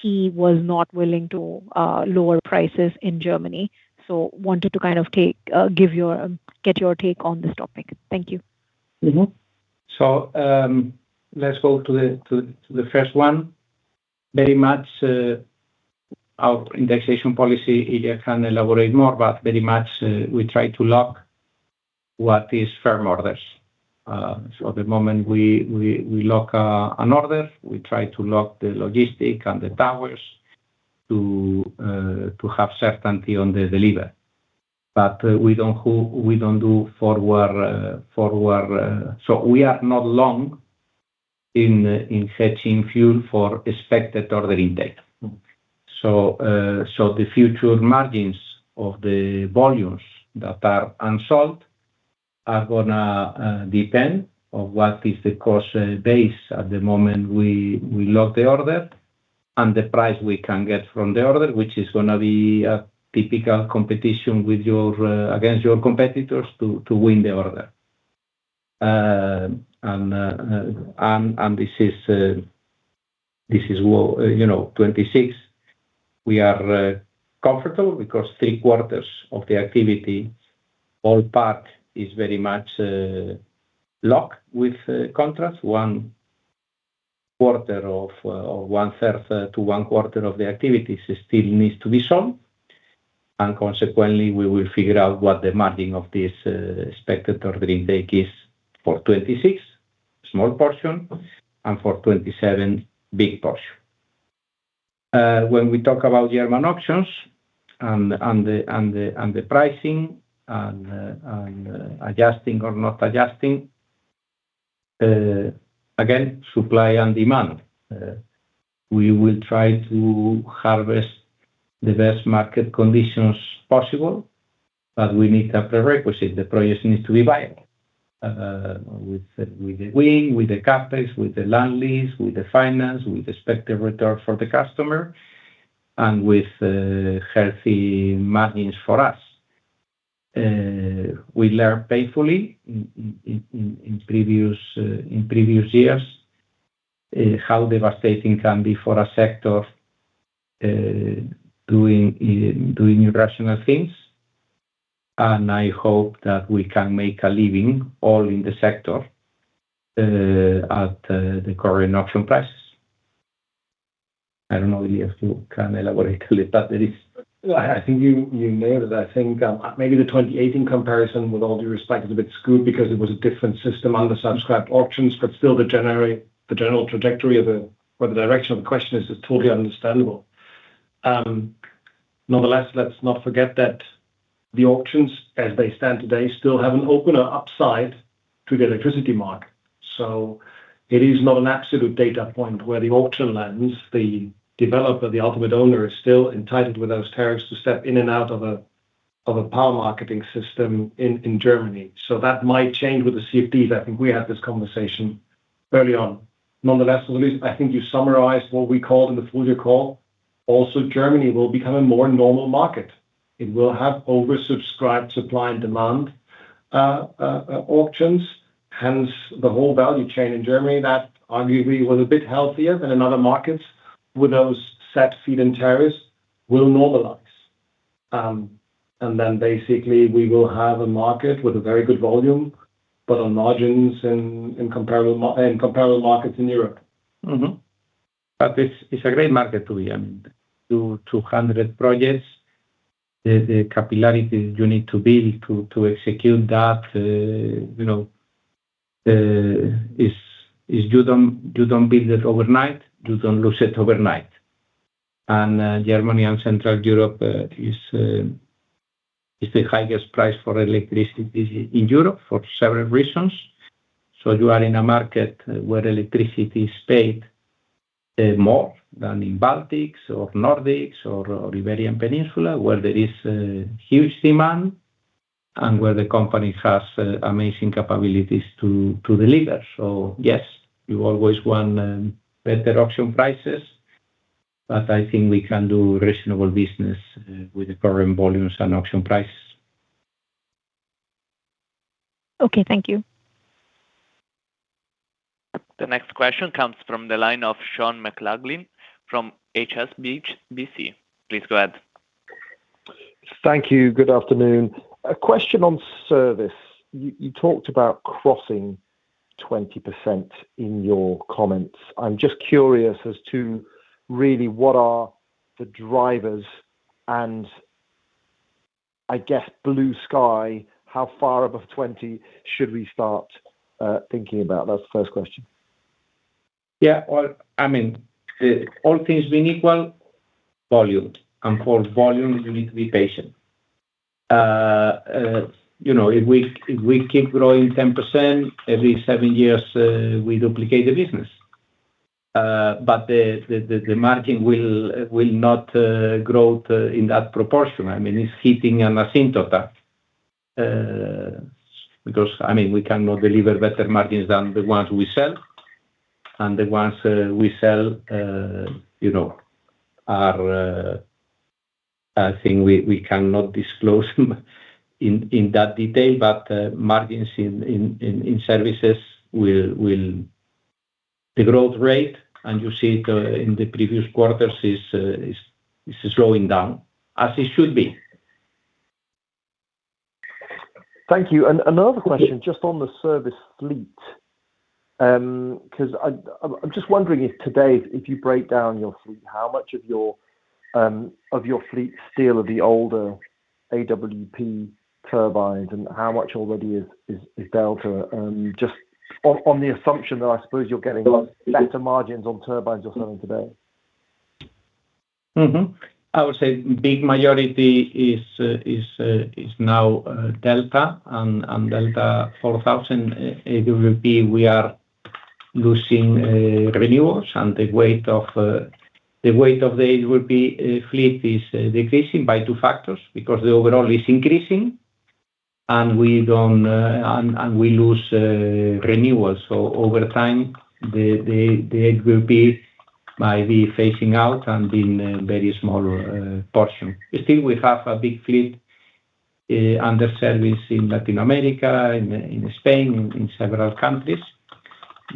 he was not willing to lower prices in Germany. Wanted to kind of get your take on this topic. Thank you. Let's go to the first one. Very much, our indexation policy, Ilya can elaborate more, but very much, we try to lock what is firm orders. The moment we lock an order, we try to lock the logistics and the towers to have certainty on the delivery. But we don't do forward. We are not long in hedging fuel for expected order intake. The future margins of the volumes that are unsold are gonna depend on what is the cost base at the moment we lock the order and the price we can get from the order, which is gonna be a typical competition against your competitors to win the order. This is what, you know, 2026, we are comfortable because three-quarters of the activity, all part is very much locked with contracts. One quarter of or one-third to one quarter of the activity still needs to be sold. Consequently, we will figure out what the margin of this expected order intake is for 2026, small portion, and for 2027, big portion. When we talk about German auctions and the pricing and adjusting or not adjusting, again, supply and demand. We will try to harvest the best market conditions possible, but we need a prerequisite. The project needs to be viable, with the wind, with the CapEx, with the land lease, with the finance, with expected return for the customer, and with healthy margins for us. We learned painfully in previous years how devastating can be for a sector doing irrational things. I hope that we can make a living all in the sector at the current auction prices. I don't know if you can elaborate a little, but it is. I think you nailed it. I think maybe the 2018 comparison with all due respect is a bit skewed because it was a different system on the subscribed auctions, but still the general trajectory or the direction of the question is totally understandable. Nonetheless, let's not forget that the auctions as they stand today still have an open upside to the electricity market. It is not an absolute data point where the auction lands, the developer, the ultimate owner, is still entitled with those tariffs to step in and out of a power marketing system in Germany. That might change with the CfDs. I think we had this conversation early on. Nonetheless, Luis, I think you summarized what we called in the full year call. Also, Germany will become a more normal market. It will have oversubscribed supply and demand auctions. Hence, the whole value chain in Germany that arguably was a bit healthier than in other markets with those set feed-in tariffs will normalize. Basically we will have a market with a very good volume, but on margins in comparable markets in Europe. It's a great market to be in. 200 projects. The capillarity you need to build to execute that is you don't build it overnight, you don't lose it overnight. Germany and Central Europe is the highest price for electricity in Europe for several reasons. You are in a market where electricity is paid more than in Baltics or Nordics or Iberian Peninsula, where there is a huge demand and where the company has amazing capabilities to deliver. Yes, you always want better auction prices, but I think we can do reasonable business with the current volumes and auction prices. Okay. Thank you. The next question comes from the line of Sean McLoughlin from HSBC. Please go ahead. Thank you. Good afternoon. A question on service. You talked about crossing 20% in your comments. I'm just curious as to really what are the drivers and I guess blue sky, how far above 20% should we start thinking about? That's the first question. Yeah. Well, I mean, all things being equal, volume. For volume, you need to be patient. You know, if we keep growing 10% every seven years, we duplicate the business. The margin will not grow in that proportion. I mean, it's hitting an asymptote, because I mean, we cannot deliver better margins than the ones we sell. The ones we sell, you know, are. I think we cannot disclose them in that detail, but margins in services will. The growth rate, and you see it in the previous quarters, is slowing down as it should be. Thank you. Another question just on the service fleet, 'cause I'm just wondering if today, if you break down your fleet, how much of your fleet still are the older AWP turbines, and how much already is Delta? Just on the assumption that I suppose you're getting better margins on turbines you're selling today. I would say big majority is now Delta. On Delta4000 AWP, we are losing renewals, and the weight of the AWP fleet is decreasing by two factors because the overall is increasing, and we lose renewals. Over time, the AWP might be phasing out and be in a very small portion. Still we have a big fleet under service in Latin America, in Spain, in several countries,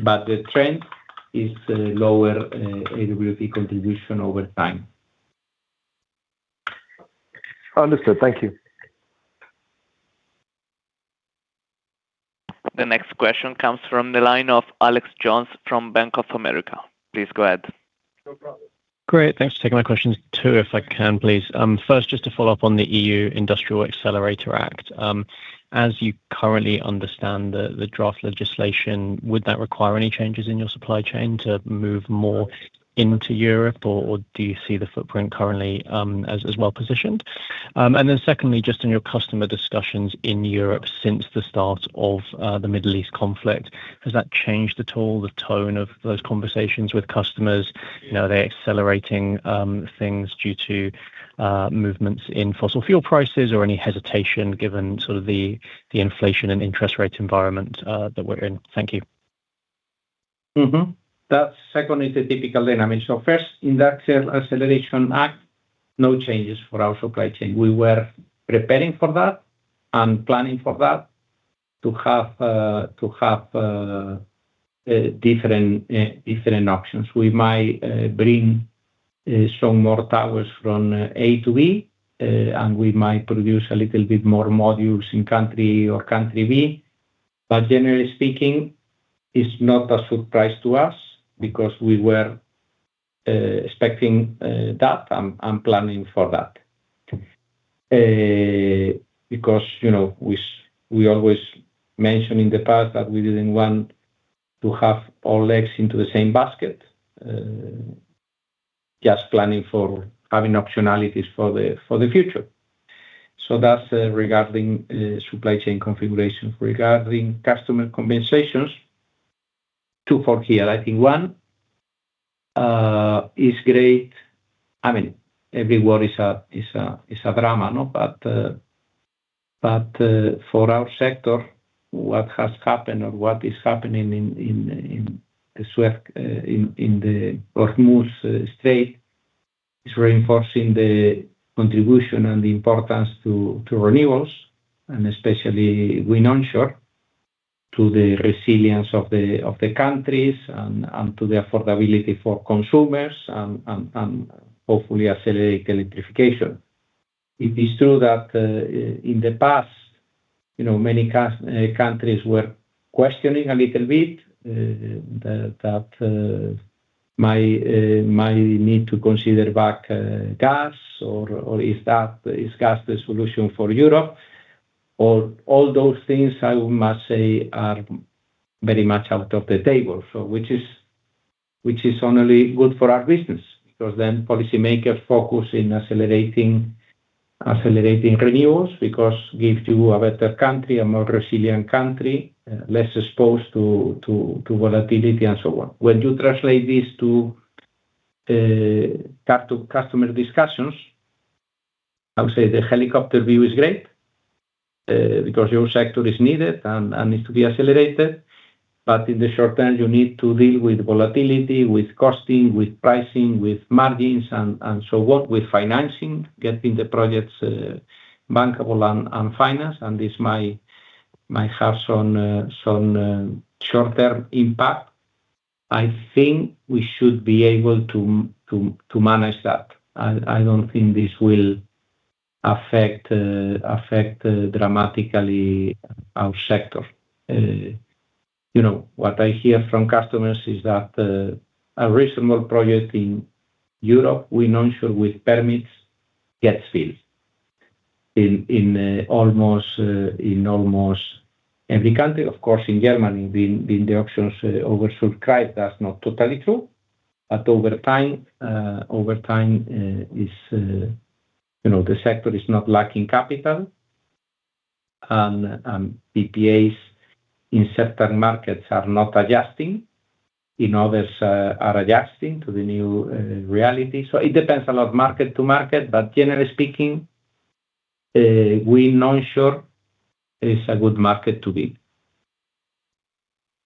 but the trend is lower AWP contribution over time. Understood. Thank you. The next question comes from the line of Alex Jones from Bank of America. Please go ahead. Great. Thanks for taking my questions too, if I can, please. First, just to follow up on the EU Industrial Accelerator Act. As you currently understand the draft legislation, would that require any changes in your supply chain to move more into Europe or do you see the footprint currently as well-positioned? And then secondly, just on your customer discussions in Europe since the start of the Middle East conflict, has that changed at all the tone of those conversations with customers? You know, are they accelerating things due to movements in fossil fuel prices or any hesitation given sort of the inflation and interest rate environment that we're in? Thank you. That second is a typical dynamic. First, in that Industrial Acceleration Act, no changes for our supply chain. We were preparing for that and planning for that to have different options. We might bring some more towers from A to B, and we might produce a little bit more modules in country A or country B. Generally speaking, it's not a surprise to us because we were expecting that and planning for that. Because, you know, we always mention in the past that we didn't want to have all eggs in the same basket. Just planning for having optionalities for the future. That's regarding supply chain configurations. Regarding customer compensations, two-fold here. I think one is great. I mean, everywhere is a drama, no? For our sector, what has happened or what is happening in the Suez, in the Hormuz Strait is reinforcing the contribution and the importance to renewables, and especially wind onshore, to the resilience of the countries and to the affordability for consumers and hopefully accelerate electrification. It is true that in the past, you know, many countries were questioning a little bit that might need to consider backing gas or is gas the solution for Europe? All those things, I must say, are very much off the table, so which is only good for our business, because then policymakers focus on accelerating renewables, because it gives you a better country, a more resilient country, less exposed to volatility and so on. When you translate this to customer discussions, I would say the helicopter view is great, because your sector is needed and needs to be accelerated. In the short term, you need to deal with volatility, with costing, with pricing, with margins and so on with financing, getting the projects bankable and financed, and this might have some short-term impact. I think we should be able to manage that. I don't think this will affect dramatically our sector. You know, what I hear from customers is that a reasonable project in Europe, wind onshore with permits gets filled in almost every country. Of course, in Germany, the auctions oversubscribed, that's not totally true. But over time, you know, the sector is not lacking capital, and PPAs in certain markets are not adjusting. In others are adjusting to the new reality. It depends a lot market to market, but generally speaking, wind onshore is a good market to be.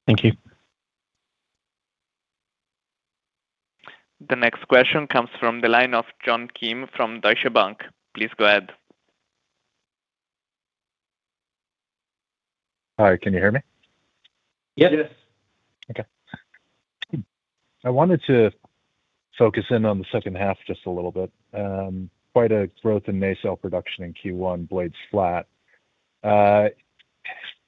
Thank you. The next question comes from the line of John Kim from Deutsche Bank. Please go ahead. Hi, can you hear me? Yes. Yes. Okay. I wanted to focus in on the second half just a little bit. Quite a growth in nacelle production in Q1, blades flat.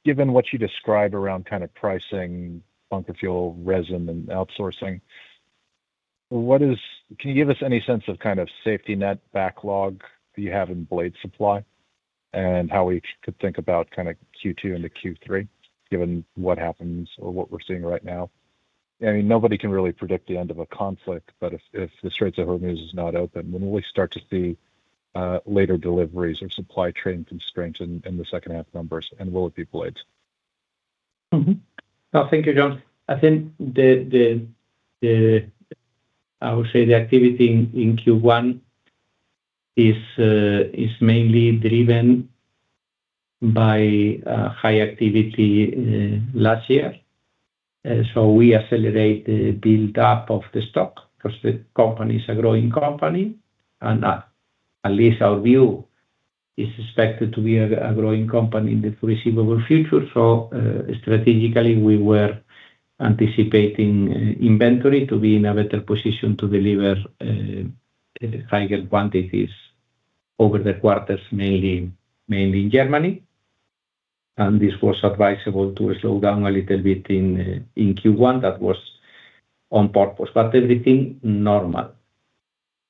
Given what you describe around kind of pricing, bunker fuel, resin, and outsourcing, can you give us any sense of kind of safety net backlog that you have in blade supply, and how we could think about kind of Q2 into Q3, given what happens or what we're seeing right now? I mean, nobody can really predict the end of a conflict, but if the Strait of Hormuz is not open, when will we start to see later deliveries or supply chain constraints in the second half numbers, and will it be blades? Thank you, John. I think I would say the activity in Q1 is mainly driven by high activity last year. We accelerate the build-up of the stock 'cause the company is a growing company and at least in our view it is expected to be a growing company in the foreseeable future. Strategically, we were anticipating inventory to be in a better position to deliver higher quantities over the quarters, mainly in Germany, and it was advisable to slow down a little bit in Q1. That was on purpose, but everything normal.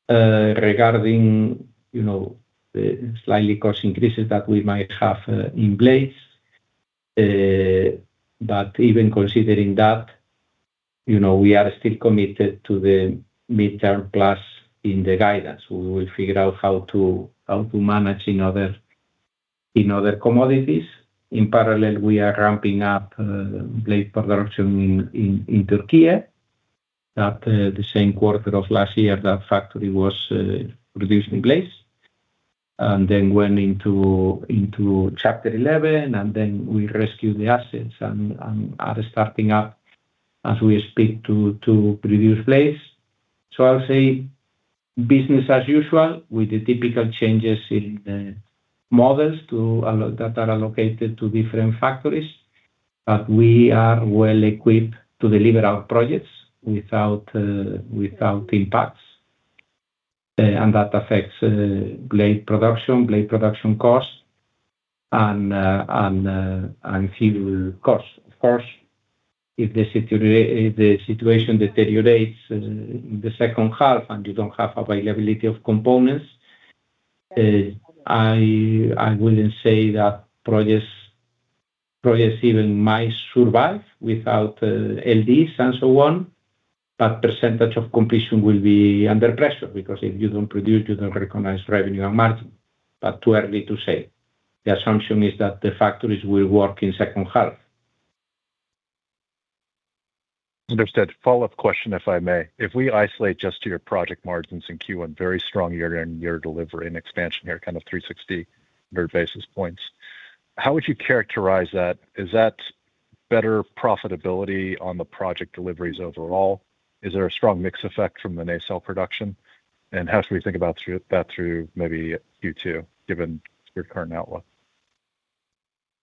Regarding, you know, the slight cost increases that we might have in place, but even considering that, you know, we are still committed to the mid-term plus in the guidance. We will figure out how to manage in other commodities. In parallel, we are ramping up blade production in Türkiye. In that same quarter of last year, that factory was producing blades. Then went into Chapter 11, and then we rescued the assets and are starting up as we speak to previous place. I'll say business as usual with the typical changes in the models to that are allocated to different factories. We are well equipped to deliver our projects without impacts. That affects blade production costs and fuel costs. Of course, if the situation deteriorates in the second half, and you don't have availability of components, I wouldn't say that projects even might survive without LDs and so on, but Percentage of Completion will be under pressure because if you don't produce, you don't recognize revenue and margin. Too early to say. The assumption is that the factories will work in second half. Understood. Follow-up question, if I may. If we isolate just to your project margins in Q1, very strong year-on-year delivery and expansion here, kind of 360 basis points. How would you characterize that? Is that better profitability on the project deliveries overall? Is there a strong mix effect from the nacelle production? And how should we think about that through maybe Q2, given your current outlook?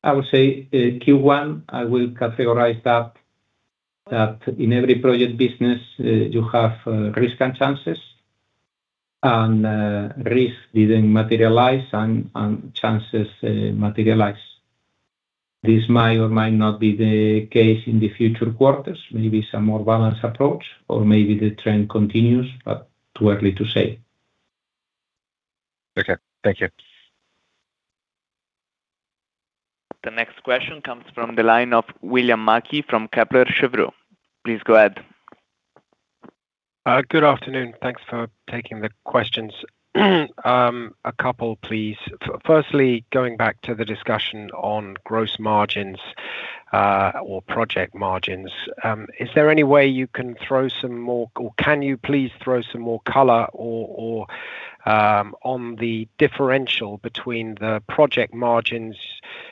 I would say, Q1, I will categorize that in every project business, you have risk and chances, and risk didn't materialize and chances materialize. This might or might not be the case in the future quarters. Maybe some more balanced approach or maybe the trend continues, but too early to say. Okay. Thank you. The next question comes from the line of William Mackie from Kepler Cheuvreux. Please go ahead. Good afternoon. Thanks for taking the questions. A couple, please. Firstly, going back to the discussion on gross margins or project margins, is there any way you can throw some more color on the differential between the project margins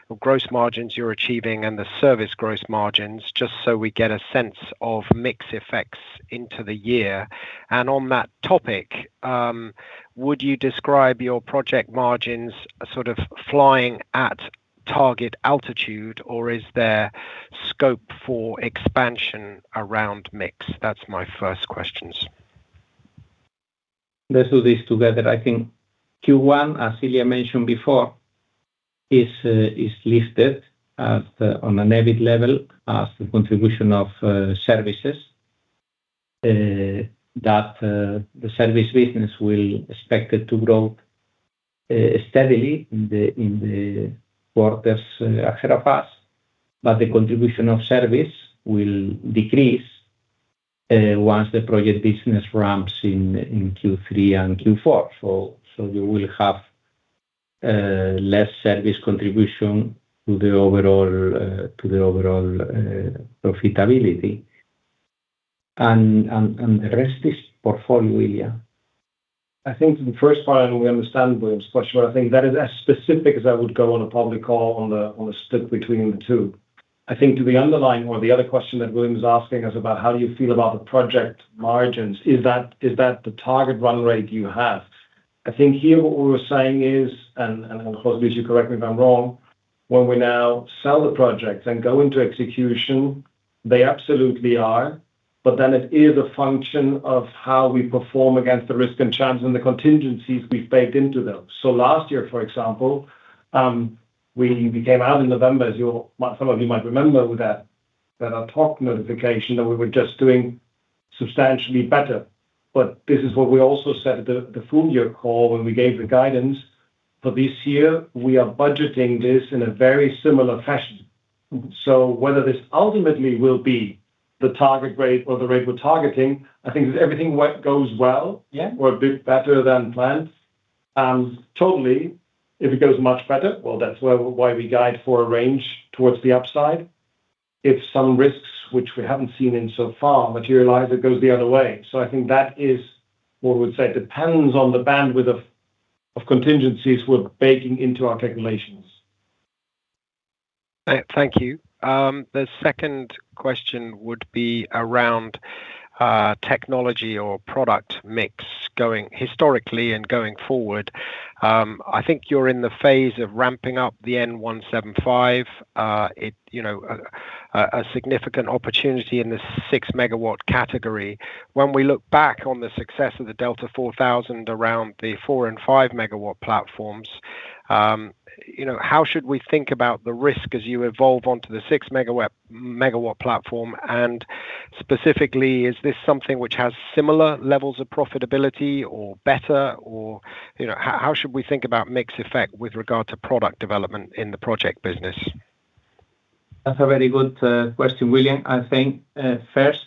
or gross margins you're achieving and the service gross margins, just so we get a sense of mix effects into the year? On that topic, would you describe your project margins sort of flying at target altitude, or is there scope for expansion around mix? That's my first questions. Let's do this together. I think Q1, as Ilya mentioned before, is listed as on an EBIT level as a contribution of services that the service business is expected to grow steadily in the quarters ahead of us. The contribution of service will decrease once the project business ramps in Q3 and Q4. You will have less service contribution to the overall profitability. The rest is portfolio, Ilya. I think the first part, and we understand William's question, but I think that is as specific as I would go on a public call on a split between the two. I think to the underlying or the other question that William is asking us about how you feel about the project margins, is that the target run rate you have? I think here what we were saying is, José Luis you correct me if I'm wrong, when we now sell the projects and go into execution, they absolutely are. Then it is a function of how we perform against the risk and changes and the contingencies we've baked into those. Last year, for example, we came out in November, some of you might remember that [a talk notification] that we were just doing substantially better. This is what we also said at the full year call when we gave the guidance. For this year, we are budgeting this in a very similar fashion. Whether this ultimately will be the target rate or the rate we're targeting, I think if everything goes well- Yeah or a bit better than planned, totally, if it goes much better, well, that's why we guide for a range towards the upside. If some risks, which we haven't seen so far materialize, it goes the other way. I think that is what I would say. It depends on the bandwidth of contingencies we're baking into our calculations. Thank you. The second question would be around technology or product mix going historically and going forward. I think you're in the phase of ramping up the N175. You know, a significant opportunity in the 6 MW category. When we look back on the success of the Delta4000 around the 4 MW and 5 MW platforms, you know, how should we think about the risk as you evolve onto the 6 MW platform? And specifically, is this something which has similar levels of profitability or better? Or, you know, how should we think about mix effect with regard to product development in the project business? That's a very good question, William. I think first,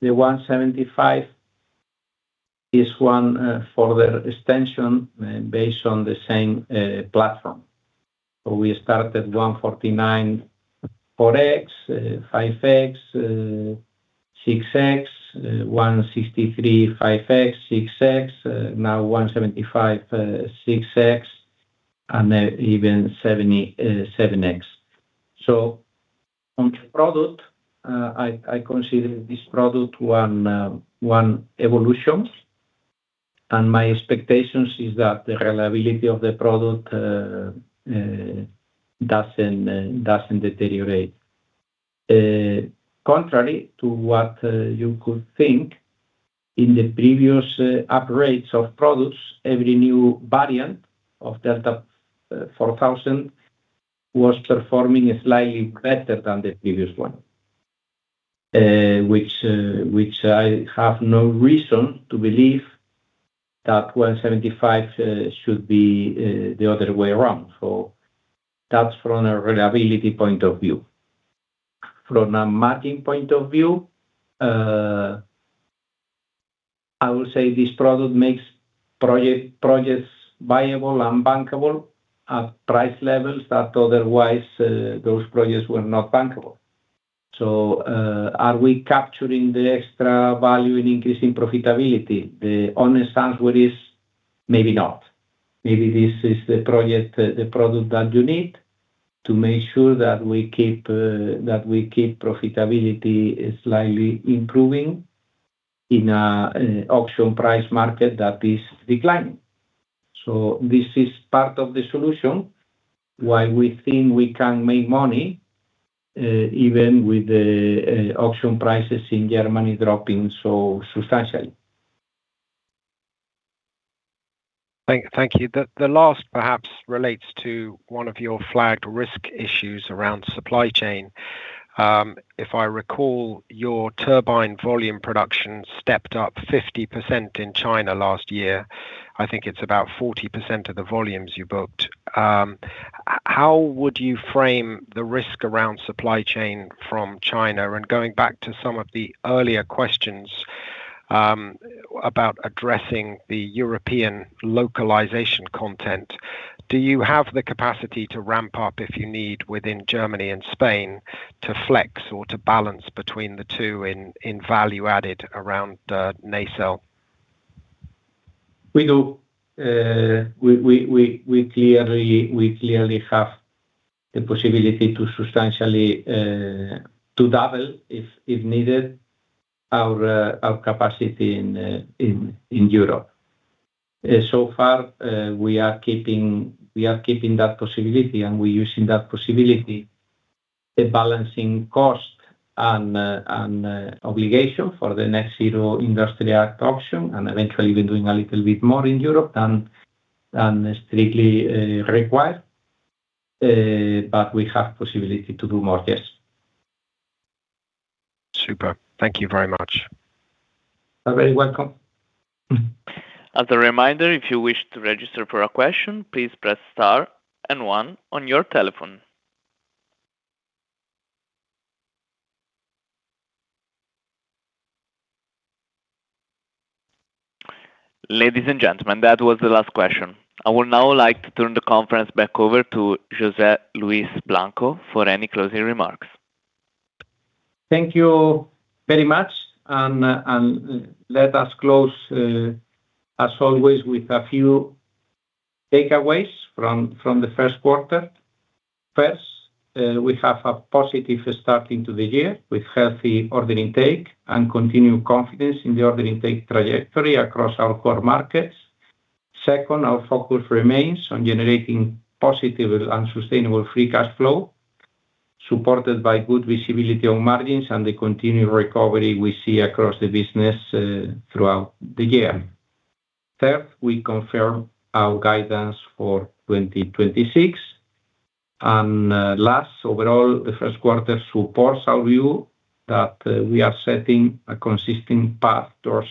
the N175 is one for the extension based on the same platform. We started N149/4.X/5.X/6.X, N163/5.X/6.X, now N175/6.X, and even N70/7.X. On the product, I consider this product one evolution, and my expectations is that the reliability of the product doesn't deteriorate. Contrary to what you could think in the previous upgrades of products, every new variant of Delta4000 was performing slightly better than the previous one. Which I have no reason to believe that N175 should be the other way around. That's from a reliability point of view. From a margin point of view, I would say this product makes projects viable and bankable at price levels that otherwise those projects were not bankable. Are we capturing the extra value in increasing profitability? The honest answer is maybe not. Maybe this is the project, the product that you need to make sure that we keep profitability slightly improving in a auction price market that is declining. This is part of the solution, why we think we can make money even with the auction prices in Germany dropping so substantially. Thank you. The last perhaps relates to one of your flagged risk issues around supply chain. If I recall, your turbine volume production stepped up 50% in China last year. I think it's about 40% of the volumes you booked. How would you frame the risk around supply chain from China? Going back to some of the earlier questions, about addressing the European localization content, do you have the capacity to ramp up if you need within Germany and Spain to flex or to balance between the two in value added around nacelle? We do. We clearly have the possibility to substantially double, if needed, our capacity in Europe. So far, we are keeping that possibility, and we're using that possibility, balancing cost and obligation for the Net Zero Industry Act auction, and eventually we're doing a little bit more in Europe than strictly required. We have possibility to do more, yes. Super. Thank you very much. You're very welcome. As a reminder, if you wish to register for a question, please press star and one on your telephone. Ladies and gentlemen, that was the last question. I would now like to turn the conference back over to José Luis Blanco for any closing remarks. Thank you very much, and let us close as always with a few takeaways from the first quarter. First, we have a positive start into the year with healthy order intake and continued confidence in the order intake trajectory across our core markets. Second, our focus remains on generating positive and sustainable free cash flow, supported by good visibility on margins and the continued recovery we see across the business throughout the year. Third, we confirm our guidance for 2026. Last, overall, the first quarter supports our view that we are setting a consistent path towards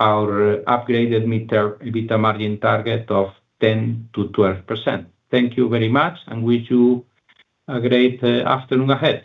our upgraded mid-term EBITDA margin target of 10%-12%. Thank you very much, and wish you a great afternoon ahead.